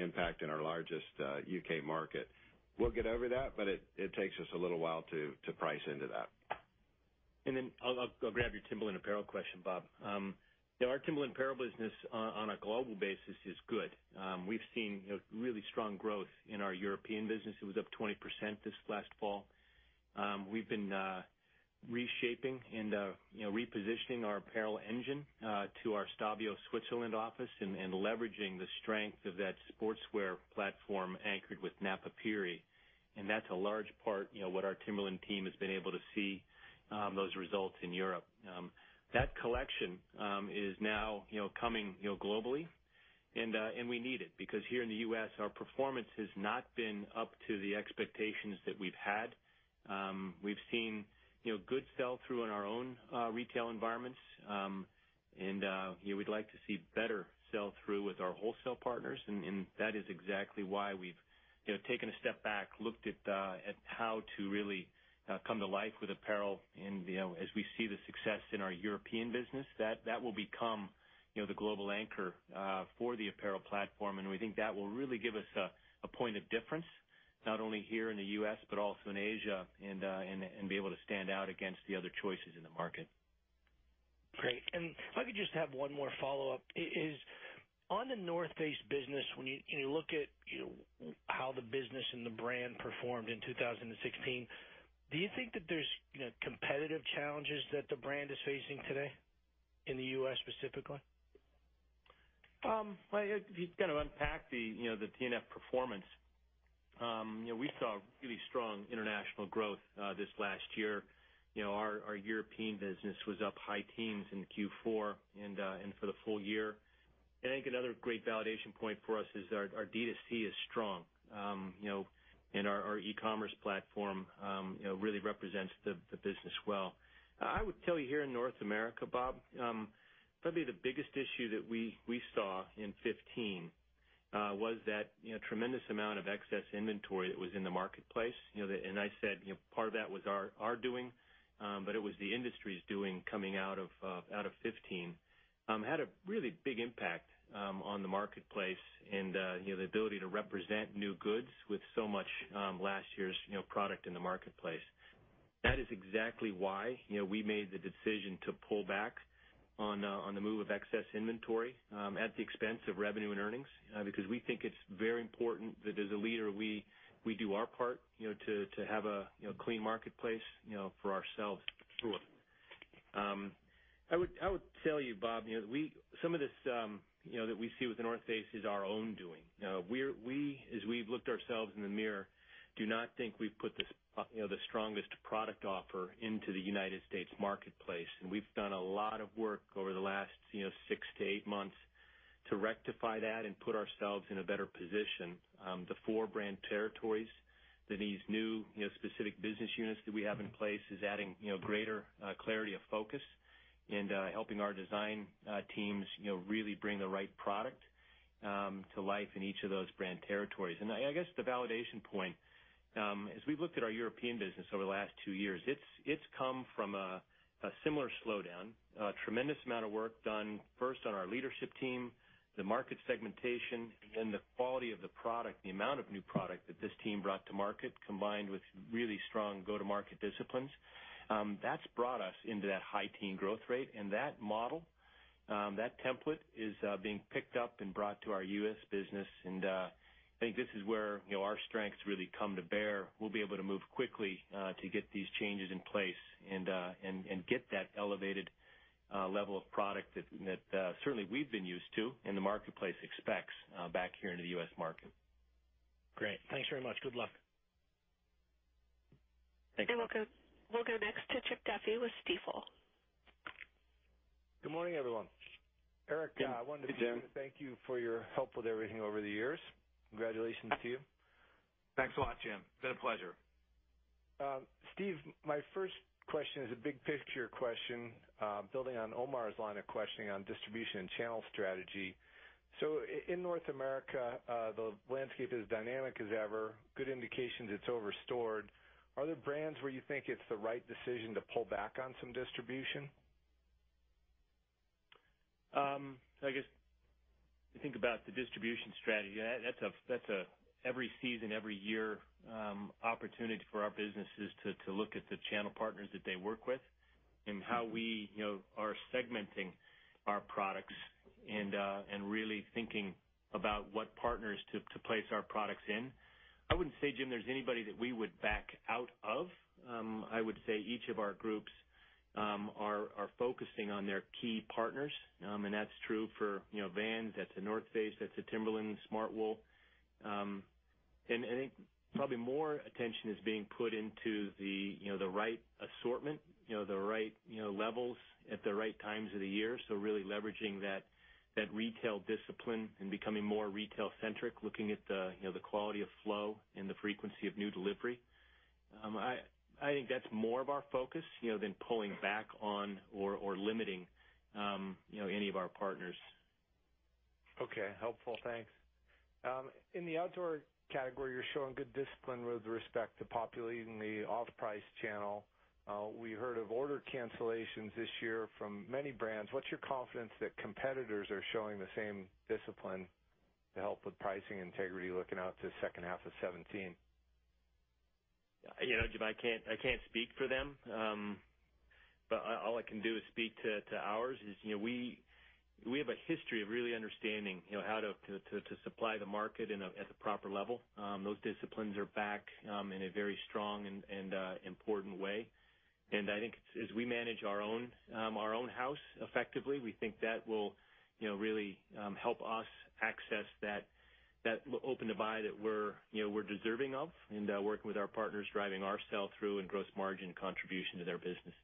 impact in our largest U.K. market. We'll get over that, but it takes us a little while to price into that. I'll grab your Timberland apparel question, Bob. Our Timberland apparel business on a global basis is good. We've seen really strong growth in our European business. It was up 20% this last fall. We've been reshaping and repositioning our apparel engine to our Stabio, Switzerland office and leveraging the strength of that Sportswear platform anchored with Napapijri. That's a large part, what our Timberland team has been able to see those results in Europe. That collection is now coming globally and we need it, because here in the U.S., our performance has not been up to the expectations that we've had. We've seen good sell-through in our own retail environments. We'd like to see better sell-through with our wholesale partners. That is exactly why we've taken a step back, looked at how to really come to life with apparel. As we see the success in our European business, that will become the global anchor for the apparel platform, and we think that will really give us a point of difference, not only here in the U.S., but also in Asia and be able to stand out against the other choices in the market. Great. If I could just have one more follow-up. On The North Face business, when you look at how the business and the brand performed in 2016, do you think that there's competitive challenges that the brand is facing today in the U.S. specifically? If you kind of unpack The North Face performance. We saw really strong international growth this last year. Our European business was up high teens in Q4 and for the full year. I think another great validation point for us is our D2C is strong. Our e-commerce platform really represents the business well. I would tell you here in North America, Bob, probably the biggest issue that we saw in 2015, was that tremendous amount of excess inventory that was in the marketplace. I said, part of that was our doing. It was the industry's doing coming out of 2015. Had a really big impact on the marketplace and the ability to represent new goods with so much last year's product in the marketplace. That is exactly why we made the decision to pull back on the move of excess inventory at the expense of revenue and earnings, because we think it's very important that as a leader, we do our part to have a clean marketplace for ourselves. Sure. I would tell you, Bob, some of this that we see with The North Face is our own doing. As we've looked ourselves in the mirror, do not think we've put the strongest product offer into the U.S. marketplace. We've done a lot of work over the last six to eight months to rectify that and put ourselves in a better position. The four brand territories, these new specific business units that we have in place is adding greater clarity of focus and helping our design teams really bring the right product to life in each of those brand territories. I guess the validation point, as we've looked at our European business over the last two years, it's come from a similar slowdown, a tremendous amount of work done first on our leadership team, the market segmentation and the quality of the product, the amount of new product that this team brought to market, combined with really strong go-to-market disciplines. That's brought us into that high teen growth rate. That model, that template is being picked up and brought to our U.S. business. I think this is where our strengths really come to bear. We'll be able to move quickly to get these changes in place and get that elevated level of product that certainly we've been used to and the marketplace expects back here in the U.S. market. Great. Thanks very much. Good luck. Thank you. We'll go next to Jim Duffy with Stifel. Good morning, everyone. Eric- Yeah. Hey, Jim. I wanted to begin with thank you for your help with everything over the years. Congratulations to you. Thanks a lot, Jim. It's been a pleasure. Steve, my first question is a big-picture question, building on Omar's line of questioning on distribution and channel strategy. In North America, the landscape is dynamic as ever. Good indications it's overstored. Are there brands where you think it's the right decision to pull back on some distribution? I guess, if you think about the distribution strategy, that's a every season, every year opportunity for our businesses to look at the channel partners that they work with and how we are segmenting our products and really thinking about what partners to place our products in. I wouldn't say, Jim, there's anybody that we would back out of. I would say each of our groups are focusing on their key partners. That's true for Vans, that's at The North Face, that's at Timberland, Smartwool. I think probably more attention is being put into the right assortment, the right levels at the right times of the year. Really leveraging that retail discipline and becoming more retail-centric, looking at the quality of flow and the frequency of new delivery. I think that's more of our focus, than pulling back on or limiting any of our partners. Okay. Helpful. Thanks. In the outdoor category, you're showing good discipline with respect to populating the off-price channel. We heard of order cancellations this year from many brands. What's your confidence that competitors are showing the same discipline to help with pricing integrity looking out to second half of 2017? Jim, I can't speak for them. All I can do is speak to ours. We have a history of really understanding how to supply the market at the proper level. Those disciplines are back in a very strong and important way. I think as we manage our own house effectively, we think that will really help us access that open divide that we're deserving of, and working with our partners, driving our sell-through and gross margin contribution to their business.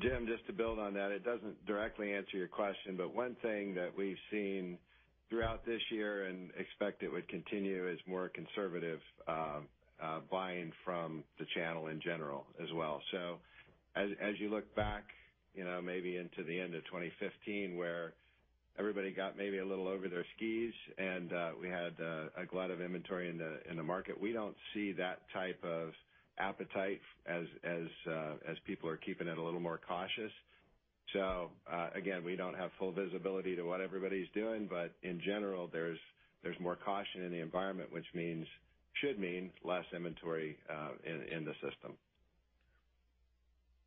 Jim, just to build on that, it doesn't directly answer your question, but one thing that we've seen throughout this year and expect it would continue is more conservative buying from the channel in general as well. As you look back maybe into the end of 2015, where everybody got maybe a little over their skis and we had a glut of inventory in the market, we don't see that type of appetite as people are keeping it a little more cautious. Again, we don't have full visibility to what everybody's doing, but in general, there's more caution in the environment, which should mean less inventory in the system.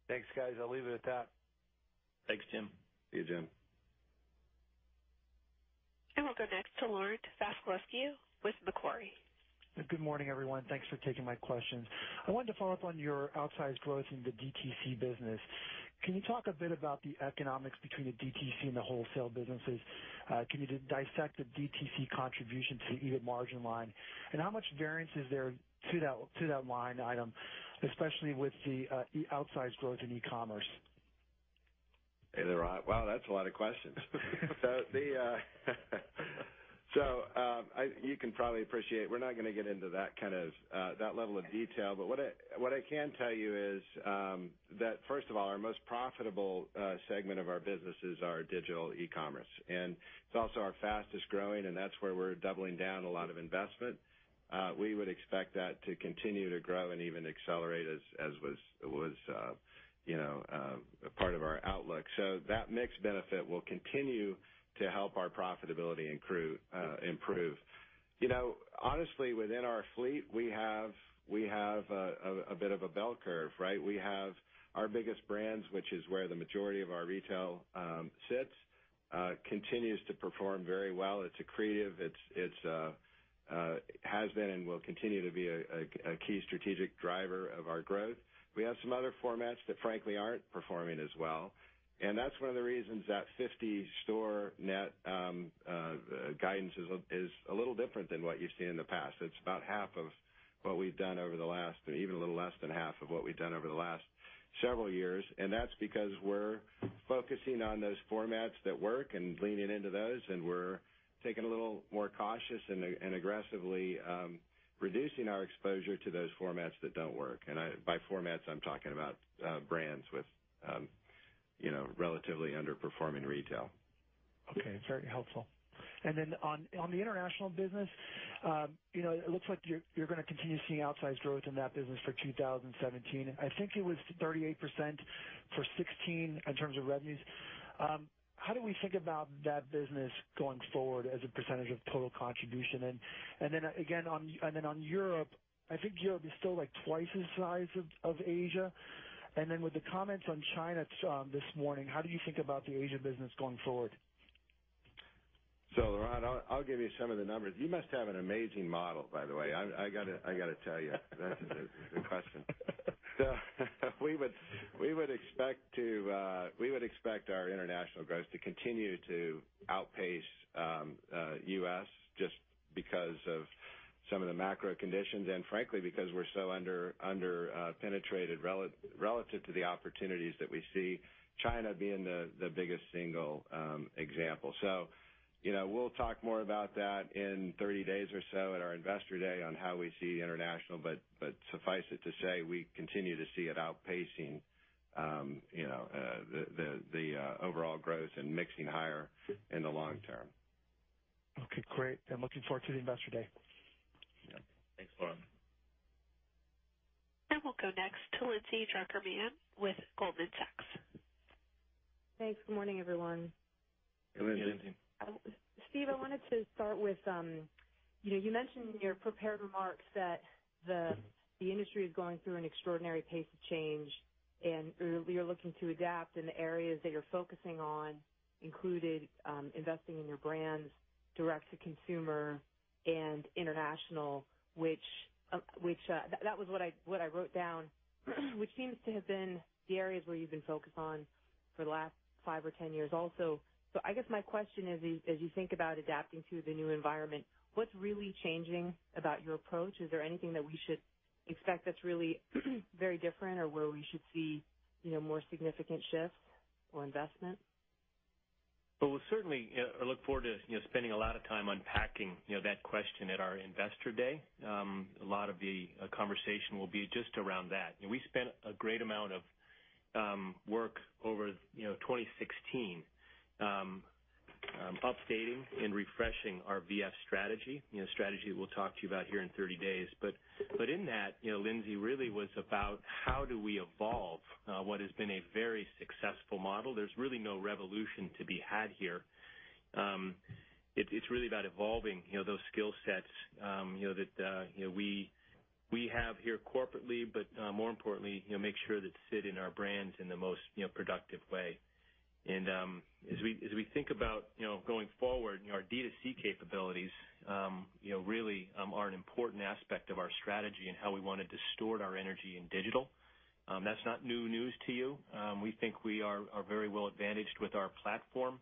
Thanks, guys. I'll leave it at that. Thanks, Jim. See you, Jim. We'll go next to Laurent Vasilescu with Macquarie. Good morning, everyone. Thanks for taking my questions. I wanted to follow up on your outsized growth in the DTC business. Can you talk a bit about the economics between the DTC and the wholesale businesses? Can you dissect the DTC contribution to the EBIT margin line? How much variance is there to that line item, especially with the outsized growth in e-commerce? Hey there, Laurent. Wow, that's a lot of questions. You can probably appreciate, we're not going to get into that level of detail. What I can tell you is that, first of all, our most profitable segment of our business is our digital e-commerce, and it's also our fastest-growing, and that's where we're doubling down a lot of investment. We would expect that to continue to grow and even accelerate as was a part of our outlook. That mix benefit will continue to help our profitability improve. Honestly, within our fleet, we have a bit of a bell curve. We have our biggest brands, which is where the majority of our retail sits, continues to perform very well. It's accretive. It has been and will continue to be a key strategic driver of our growth. We have some other formats that frankly aren't performing as well, and that's one of the reasons that 50-store net guidance is a little different than what you've seen in the past. It's about half of what we've done over the last even a little less than half of what we've done over the last several years. That's because we're focusing on those formats that work and leaning into those, and we're taking a little more cautious and aggressively reducing our exposure to those formats that don't work. By formats, I'm talking about brands with relatively underperforming retail. Okay. Very helpful. On the international business, it looks like you're going to continue seeing outsized growth in that business for 2017. I think it was 38% for 2016 in terms of revenues. How do we think about that business going forward as a percentage of total contribution? Again, on Europe, I think Europe is still twice the size of Asia. With the comments on China this morning, how do you think about the Asia business going forward? Laurent, I'll give you some of the numbers. You must have an amazing model, by the way. I got to tell you. That's a good question. We would expect our international growth to continue to outpace U.S. just because of some of the macro conditions, and frankly, because we're so under-penetrated relative to the opportunities that we see, China being the biggest single example. We'll talk more about that in 30 days or so at our Investor Day on how we see international, but suffice it to say, we continue to see it outpacing the overall growth and mixing higher in the long term. Okay, great. I'm looking forward to the Investor Day. Yeah. Thanks, Laurent. We'll go next to Lindsay Drucker Mann with Goldman Sachs. Thanks. Good morning, everyone. Hey, Lindsay. Hey, Lindsay. Steve, I wanted to start with, you mentioned in your prepared remarks that the industry is going through an extraordinary pace of change, and you're looking to adapt in the areas that you're focusing on, included investing in your brands, direct to consumer, and international. That was what I wrote down, which seems to have been the areas where you've been focused on for the last five or 10 years also. I guess my question is, as you think about adapting to the new environment, what's really changing about your approach? Is there anything that we should expect that's really very different or where we should see more significant shifts or investment? Well, we'll certainly look forward to spending a lot of time unpacking that question at our Investor Day. A lot of the conversation will be just around that. We spent a great amount of work over 2016 updating and refreshing our VF strategy. Strategy we'll talk to you about here in 30 days. In that, Lindsay, really was about how do we evolve what has been a very successful model. There's really no revolution to be had here. It's really about evolving those skill sets that we have here corporately, but more importantly, make sure that sit in our brands in the most productive way. As we think about going forward, our D2C capabilities really are an important aspect of our strategy and how we want to distort our energy in digital. That's not new news to you. We think we are very well-advantaged with our platform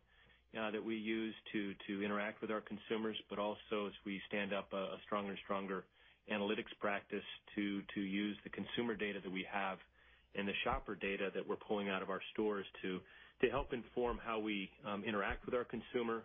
that we use to interact with our consumers, but also as we stand up a stronger and stronger analytics practice to use the consumer data that we have and the shopper data that we're pulling out of our stores to help inform how we interact with our consumer,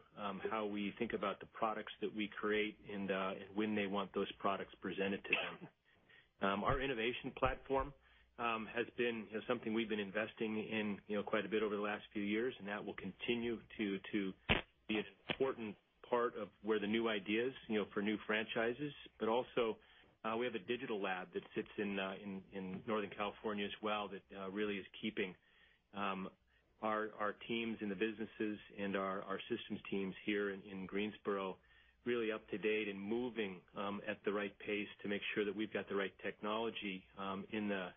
how we think about the products that we create and when they want those products presented to them. Our innovation platform has been something we've been investing in quite a bit over the last few years, and that will continue to be an important part of where the new ideas for new franchises. Also, we have a digital lab that sits in Northern California as well that really is keeping our teams and the businesses and our systems teams here in Greensboro really up to date and moving at the right pace to make sure that we've got the right technology in the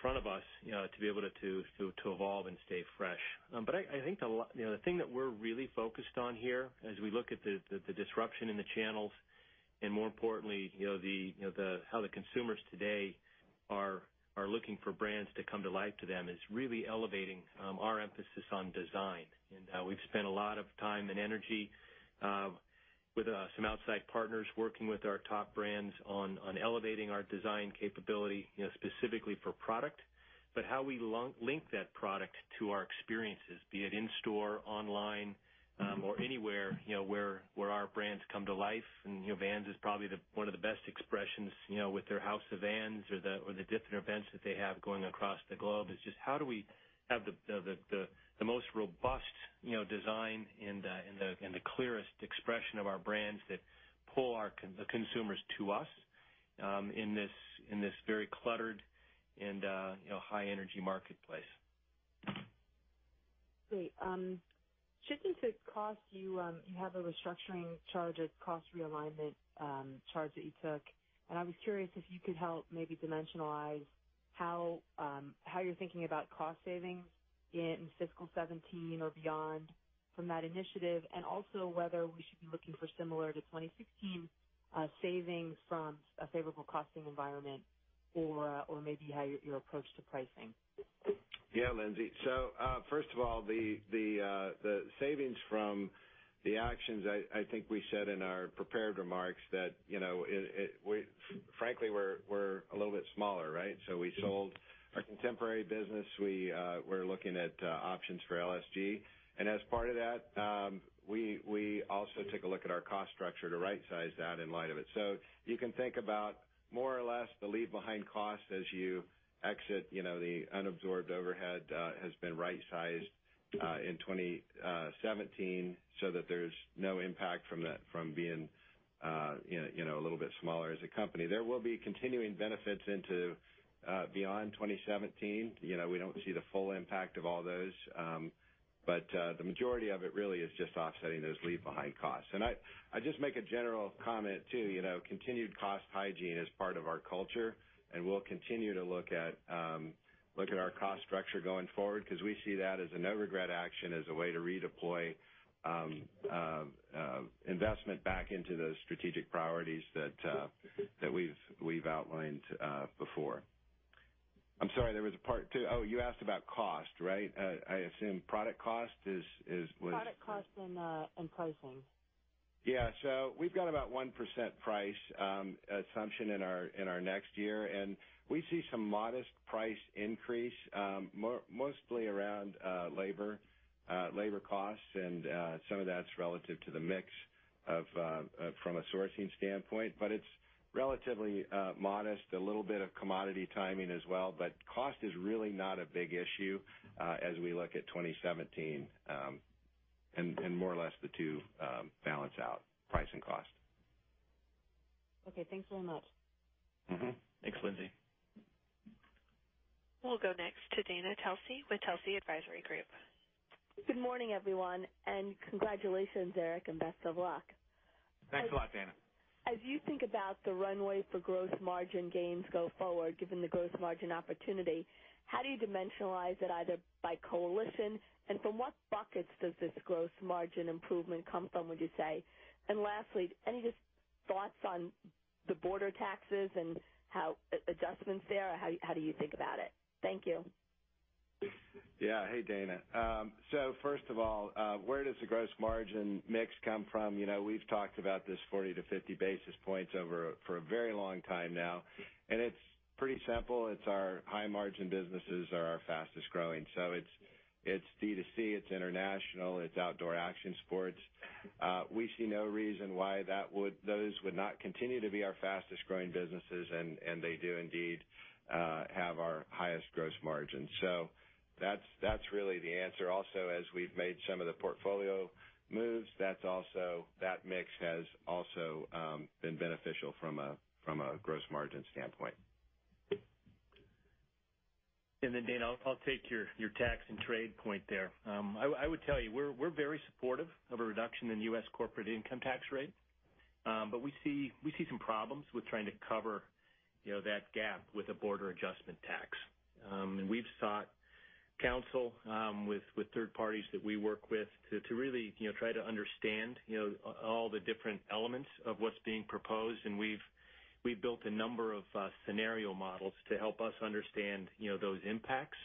front of us to be able to evolve and stay fresh. I think the thing that we're really focused on here, as we look at the disruption in the channels and more importantly, how the consumers today are looking for brands to come to life to them is really elevating our emphasis on design. We've spent a lot of time and energy with some outside partners working with our top brands on elevating our design capability specifically for product. How we link that product to our experiences, be it in store, online or anywhere where our brands come to life. Vans is probably one of the best expressions with their House of Vans or the different events that they have going across the globe. It's just how do we have the most robust design and the clearest expression of our brands that pull the consumers to us in this very cluttered and high energy marketplace. Great. I was curious if you could help maybe dimensionalize how you're thinking about cost savings in fiscal 2017 or beyond from that initiative, and also whether we should be looking for similar to 2016 savings from a favorable costing environment or maybe how your approach to pricing. Yeah, Lindsay. First of all, the savings from the actions, I think we said in our prepared remarks that frankly, we're a little bit smaller, right? We sold our Contemporary Brands. We're looking at options for LSG. As part of that, we also took a look at our cost structure to rightsize that in light of it. You can think about more or less the leave-behind cost as you exit. The unabsorbed overhead has been rightsized in 2017 so that there's no impact from being a little bit smaller as a company. There will be continuing benefits into beyond 2017. We don't see the full impact of all those. The majority of it really is just offsetting those leave-behind costs. I just make a general comment, too. Continued cost hygiene is part of our culture, and we'll continue to look at our cost structure going forward because we see that as a no-regret action, as a way to redeploy investment back into the strategic priorities that we've outlined before. I'm sorry, there was a part two. Oh, you asked about cost, right? I assume product cost is- Product cost and pricing. Yeah. We've got about 1% price assumption in our next year, and we see some modest price increase mostly around labor costs, and some of that's relative to the mix from a sourcing standpoint, but it's relatively modest. A little bit of commodity timing as well. Cost is really not a big issue as we look at 2017. More or less, the two balance out, price and cost. Okay. Thanks very much. Mm-hmm. Thanks, Lindsay. We'll go next to Dana Telsey with Telsey Advisory Group. Good morning, everyone, and congratulations, Eric, and best of luck. Thanks a lot, Dana. As you think about the runway for gross margin gains go forward, given the gross margin opportunity, how do you dimensionalize it either by coalition and from what buckets does this gross margin improvement come from, would you say? Lastly, any just thoughts on the border taxes and how adjustments there, how do you think about it? Thank you. Hey, Dana. First of all, where does the gross margin mix come from? We've talked about this 40 to 50 basis points for a very long time now, and it's pretty simple. It's our high margin businesses are our fastest growing. It's D2C, it's international, it's Outdoor & Action Sports. We see no reason why those would not continue to be our fastest growing businesses, and they do indeed have our highest gross margin. That's really the answer. Also, as we've made some of the portfolio moves, that mix has also been beneficial from a gross margin standpoint. Dana, I'll take your tax and trade point there. I would tell you, we're very supportive of a reduction in the U.S. corporate income tax rate. We see some problems with trying to cover that gap with a border adjustment tax. We've sought counsel with third parties that we work with to really try to understand all the different elements of what's being proposed, and we've built a number of scenario models to help us understand those impacts.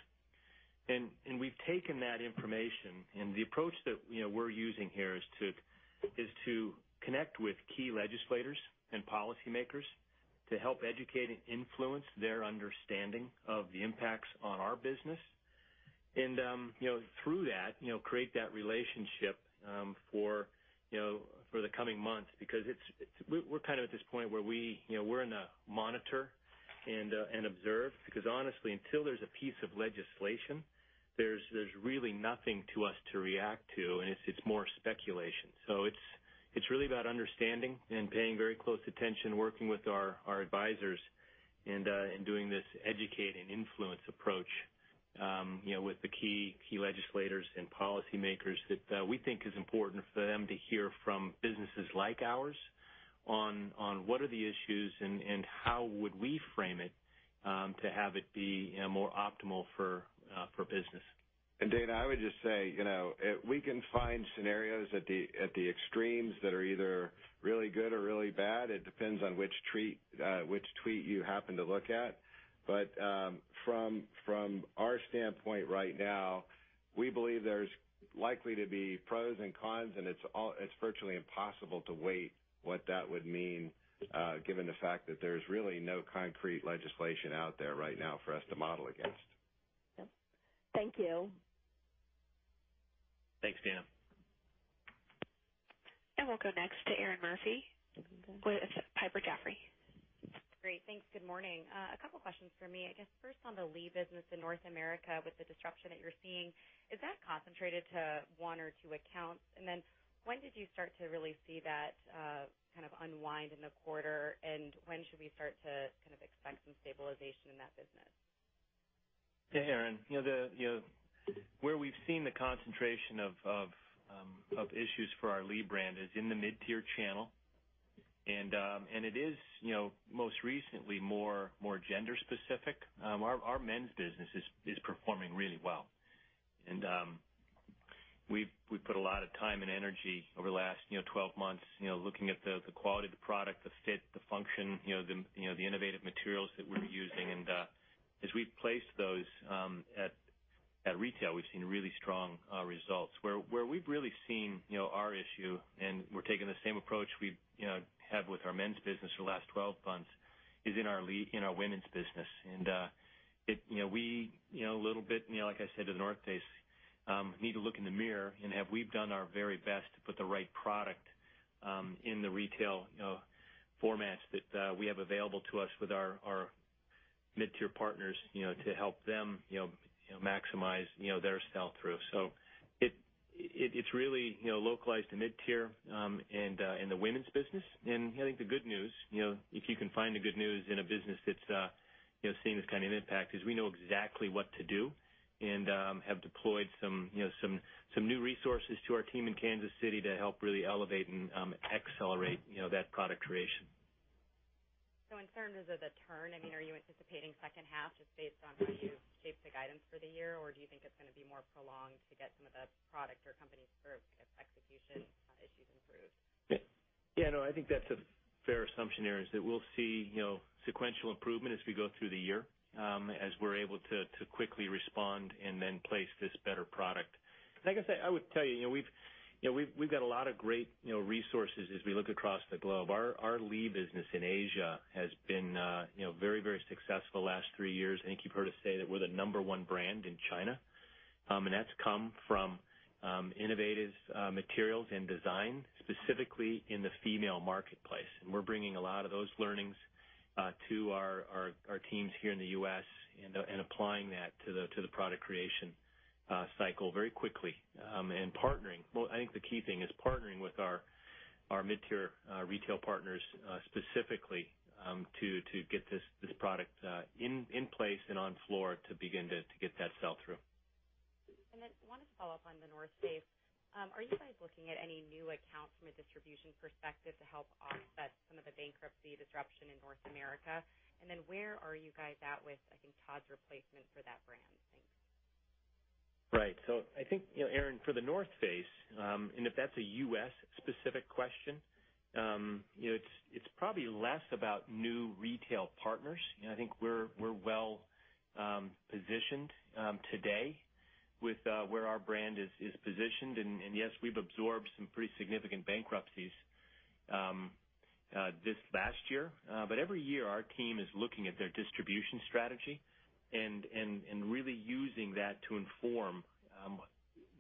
We've taken that information, and the approach that we're using here is to connect with key legislators and policymakers to help educate and influence their understanding of the impacts on our business. Through that, create that relationship for the coming months because we're at this point where we're in a monitor and observe. Because honestly, until there's a piece of legislation, there's really nothing to us to react to, and it's more speculation. It's really about understanding and paying very close attention, working with our advisors, and doing this educate and influence approach with the key legislators and policymakers that we think is important for them to hear from businesses like ours on what are the issues and how would we frame it to have it be more optimal for business. Dana, I would just say, we can find scenarios at the extremes that are either really good or really bad. It depends on which tweet you happen to look at. From our standpoint right now, we believe there's likely to be pros and cons, and it's virtually impossible to weigh what that would mean, given the fact that there's really no concrete legislation out there right now for us to model against. Yep. Thank you. Thanks, Dana. We'll go next to Erinn Murphy with Piper Jaffray. Great. Thanks. Good morning. A couple questions from me. I guess first on the Lee business in North America with the disruption that you're seeing. Is that concentrated to one or two accounts? When did you start to really see that kind of unwind in the quarter, and when should we start to kind of expect some stabilization in that business? Yeah, Erinn. Where we've seen the concentration of issues for our Lee brand is in the mid-tier channel. It is most recently more gender specific. Our men's business is performing really well. We've put a lot of time and energy over the last 12 months looking at the quality of the product, the fit, the function, the innovative materials that we're using. As we've placed those at retail, we've seen really strong results. Where we've really seen our issue, and we're taking the same approach we've had with our men's business for the last 12 months, is in our women's business. We, a little bit, like I said, with The North Face, need to look in the mirror and have done our very best to put the right product in the retail formats that we have available to us with our mid-tier partners to help them maximize their sell-through. It's really localized to mid-tier and the women's business. I think the good news, if you can find the good news in a business that's seeing this kind of impact, is we know exactly what to do and have deployed some new resources to our team in Kansas City to help really elevate and accelerate that product creation. In terms of the turn, are you anticipating second half just based on how you've shaped the guidance for the year, or do you think it's going to be more prolonged to get some of the product or company execution issues improved? I think that's a fair assumption, Erinn, is that we'll see sequential improvement as we go through the year as we're able to quickly respond and then place this better product. I would tell you, we've got a lot of great resources as we look across the globe. Our Lee business in Asia has been very successful the last 3 years. I think you've heard us say that we're the number 1 brand in China. That's come from innovative materials and design, specifically in the female marketplace. We're bringing a lot of those learnings to our teams here in the U.S. and applying that to the product creation cycle very quickly. Well, I think the key thing is partnering with our mid-tier retail partners specifically to get this product in place and on floor to begin to get that sell-through. Then wanted to follow up on The North Face. Are you guys looking at any new accounts from a distribution perspective to help offset some of the bankruptcy disruption in North America? Then where are you guys at with, I think, Todd's replacement for that brand? Thanks. Right. I think, Erinn, for The North Face, if that's a U.S. specific question, it's probably less about new retail partners. I think we're well positioned today with where our brand is positioned. Yes, we've absorbed some pretty significant bankruptcies this last year. Every year, our team is looking at their distribution strategy and really using that to inform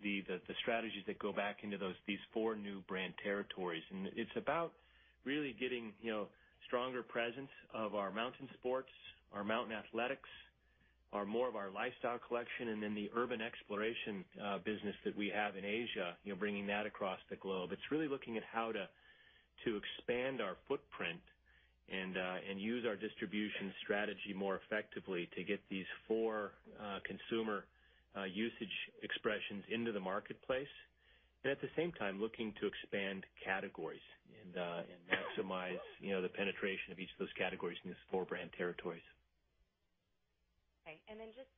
the strategies that go back into these four new brand territories. It's about really getting stronger presence of our mountain sports, our Mountain Athletics. Are more of our lifestyle collection and the Urban Exploration business that we have in Asia, bringing that across the globe. It's really looking at how to expand our footprint and use our distribution strategy more effectively to get these four consumer usage expressions into the marketplace. At the same time, looking to expand categories and maximize the penetration of each of those categories in these four brand territories. Okay. Just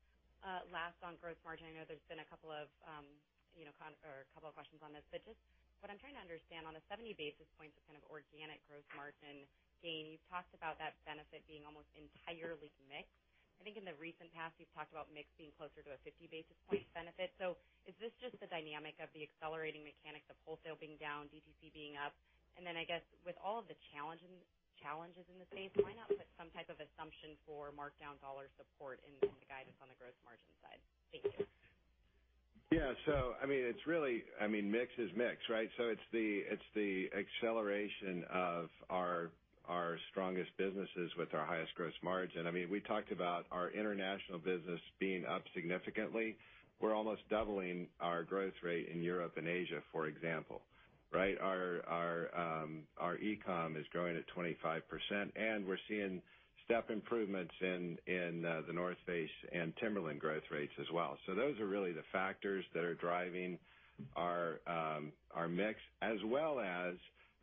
last on gross margin, I know there's been a couple of questions on this, but just what I'm trying to understand on a 70 basis points of kind of organic gross margin gain. You've talked about that benefit being almost entirely mix. I think in the recent past, you've talked about mix being closer to a 50 basis point benefit. Is this just the dynamic of the accelerating mechanics of wholesale being down, DTC being up? Then, I guess with all of the challenges in the space, why not put some type of assumption for markdown dollar support into the guidance on the gross margin side? Thank you. Yeah. Mix is mix, right? It's the acceleration of our strongest businesses with our highest gross margin. We talked about our international business being up significantly. We're almost doubling our growth rate in Europe and Asia, for example. Right? Our e-com is growing at 25%, and we're seeing step improvements in The North Face and Timberland growth rates as well. Those are really the factors that are driving our mix as well as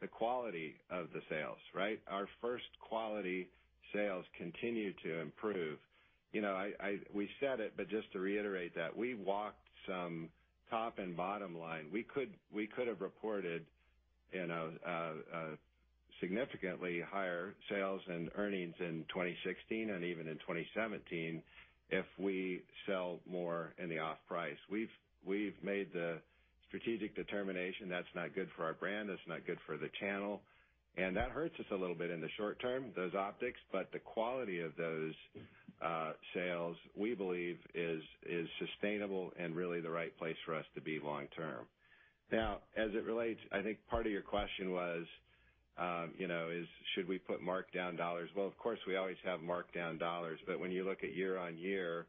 the quality of the sales. Right? Our first quality sales continue to improve. We said it, just to reiterate that we walked some top and bottom line. We could've reported a significantly higher sales and earnings in 2016 and even in 2017 if we sell more in the off price. We've made the strategic determination that's not good for our brand, that's not good for the channel, and that hurts us a little bit in the short term, those optics, but the quality of those sales, we believe is sustainable and really the right place for us to be long term. As it relates, I think part of your question was, should we put markdown dollars? Well, of course we always have markdown dollars, but when you look at year-on-year,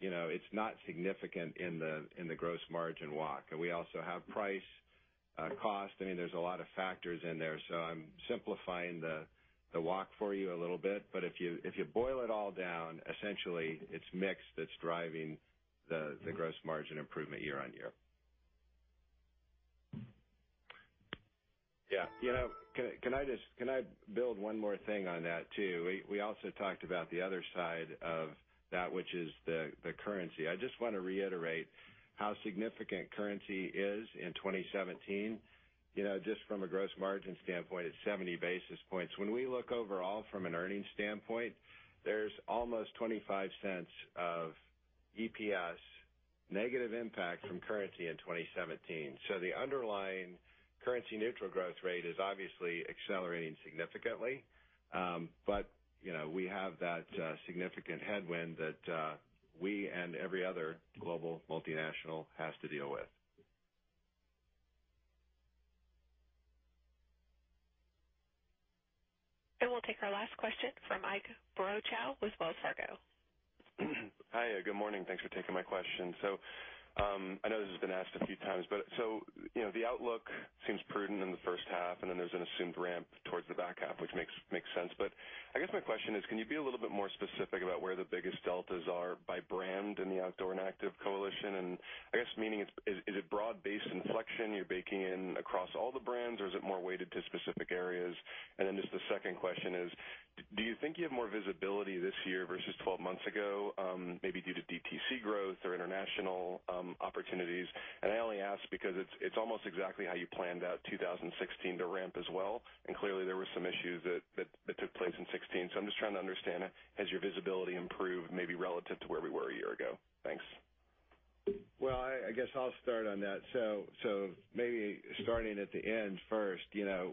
it's not significant in the gross margin walk. We also have price, cost. There's a lot of factors in there, so I'm simplifying the walk for you a little bit. If you boil it all down, essentially it's mix that's driving the gross margin improvement year-on-year. Yeah. Can I build one more thing on that too? We also talked about the other side of that, which is the currency. I just want to reiterate how significant currency is in 2017. Just from a gross margin standpoint, it's 70 basis points. When we look overall from an earnings standpoint, there's almost $0.25 of EPS negative impact from currency in 2017. The underlying currency neutral growth rate is obviously accelerating significantly. We have that significant headwind that we and every other global multinational has to deal with. We'll take our last question from Ike Boruchow with Wells Fargo. Hi. Good morning. Thanks for taking my question. I know this has been asked a few times, but the outlook seems prudent in the first half, and then there's an assumed ramp towards the back half, which makes sense. I guess my question is: Can you be a little bit more specific about where the biggest deltas are by brand in the Outdoor & Action Sports coalition? I guess meaning, is it broad-based inflection you're baking in across all the brands, or is it more weighted to specific areas? Just the second question is: Do you think you have more visibility this year versus 12 months ago, maybe due to DTC growth or international opportunities? I only ask because it's almost exactly how you planned out 2016 to ramp as well, and clearly there were some issues that took place in 2016. I'm just trying to understand, has your visibility improved maybe relative to where we were a year ago? Thanks. Well, I guess I'll start on that. Maybe starting at the end first. I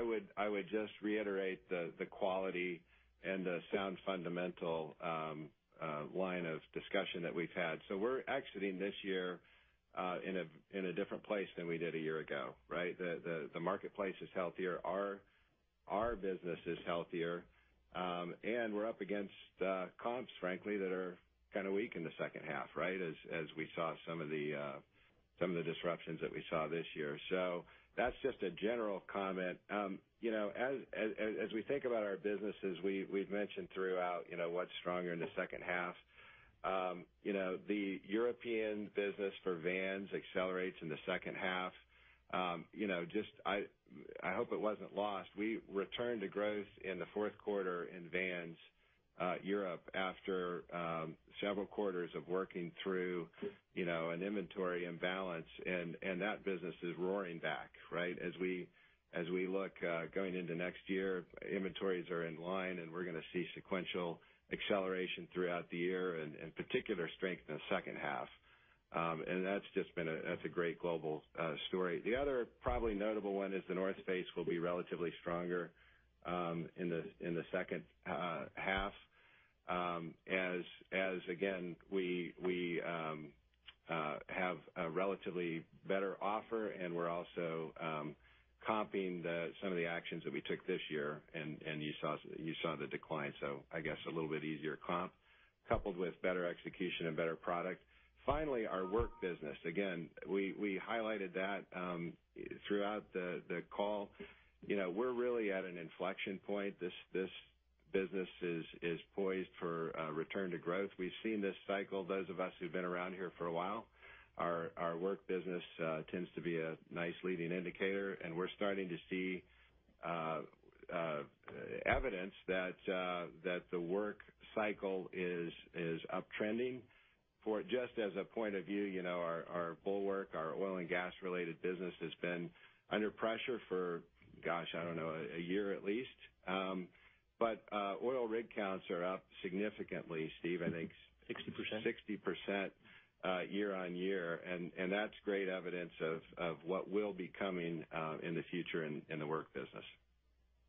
would just reiterate the quality and the sound fundamental line of discussion that we've had. We're exiting this year in a different place than we did a year ago. Right? The marketplace is healthier. Our business is healthier. We're up against comps, frankly, that are kind of weak in the second half, right, as we saw some of the disruptions that we saw this year. That's just a general comment. As we think about our businesses, we've mentioned throughout what's stronger in the second half. The European business for Vans accelerates in the second half. I hope it wasn't lost. We returned to growth in the fourth quarter in Vans Europe after several quarters of working through an inventory imbalance, and that business is roaring back. Right? As we look going into next year, inventories are in line, we're going to see sequential acceleration throughout the year and particular strength in the second half. That's a great global story. The other probably notable one is The North Face will be relatively stronger in the second half. Again, we have a relatively better offer, and we're also comping some of the actions that we took this year, and you saw the decline, so I guess a little bit easier comp, coupled with better execution and better product. Finally, our Work business. Again, we highlighted that throughout the call. We're really at an inflection point. This business is poised for a return to growth. We've seen this cycle, those of us who've been around here for a while. Our Work business tends to be a nice leading indicator, and we're starting to see evidence that the work cycle is uptrending. For just as a point of view, our Bulwark, our oil and gas-related business has been under pressure for, gosh, I don't know, a year at least. Oil rig counts are up significantly, Steve. 60% 60% year-over-year, that's great evidence of what will be coming in the future in the Workwear business.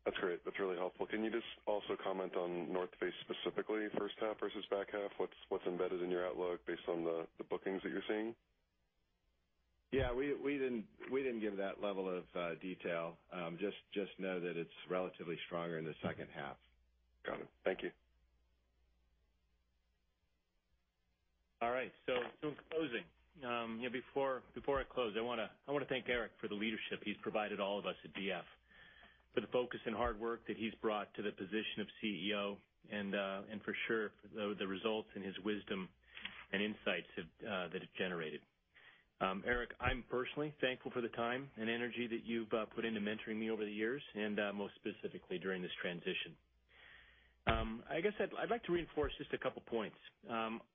That's great. That's really helpful. Can you just also comment on The North Face specifically, first half versus back half? What's embedded in your outlook based on the bookings that you're seeing? Yeah. We didn't give that level of detail. Just know that it's relatively stronger in the second half. Got it. Thank you. All right. In closing. Before I close, I want to thank Eric for the leadership he's provided all of us at VF, for the focus and hard work that he's brought to the position of CEO, and for sure, the results and his wisdom and insights that it generated. Eric, I'm personally thankful for the time and energy that you've put into mentoring me over the years, and most specifically during this transition. I guess I'd like to reinforce just a couple of points.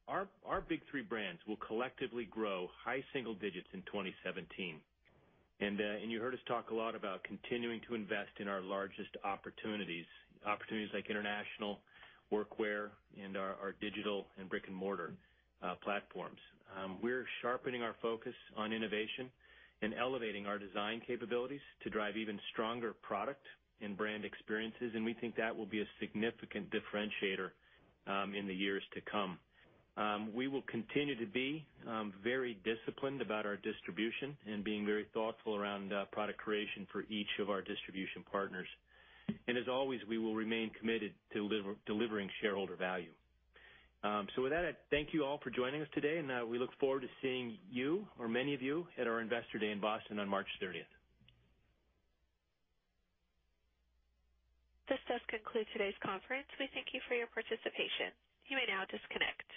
Our big three brands will collectively grow high single digits in 2017. You heard us talk a lot about continuing to invest in our largest opportunities. Opportunities like international, Workwear, and our digital and brick-and-mortar platforms. We're sharpening our focus on innovation and elevating our design capabilities to drive even stronger product and brand experiences, we think that will be a significant differentiator in the years to come. We will continue to be very disciplined about our distribution and being very thoughtful around product creation for each of our distribution partners. As always, we will remain committed to delivering shareholder value. With that, thank you all for joining us today, and we look forward to seeing you, or many of you, at our Investor Day in Boston on March 30th. This does conclude today's conference. We thank you for your participation. You may now disconnect.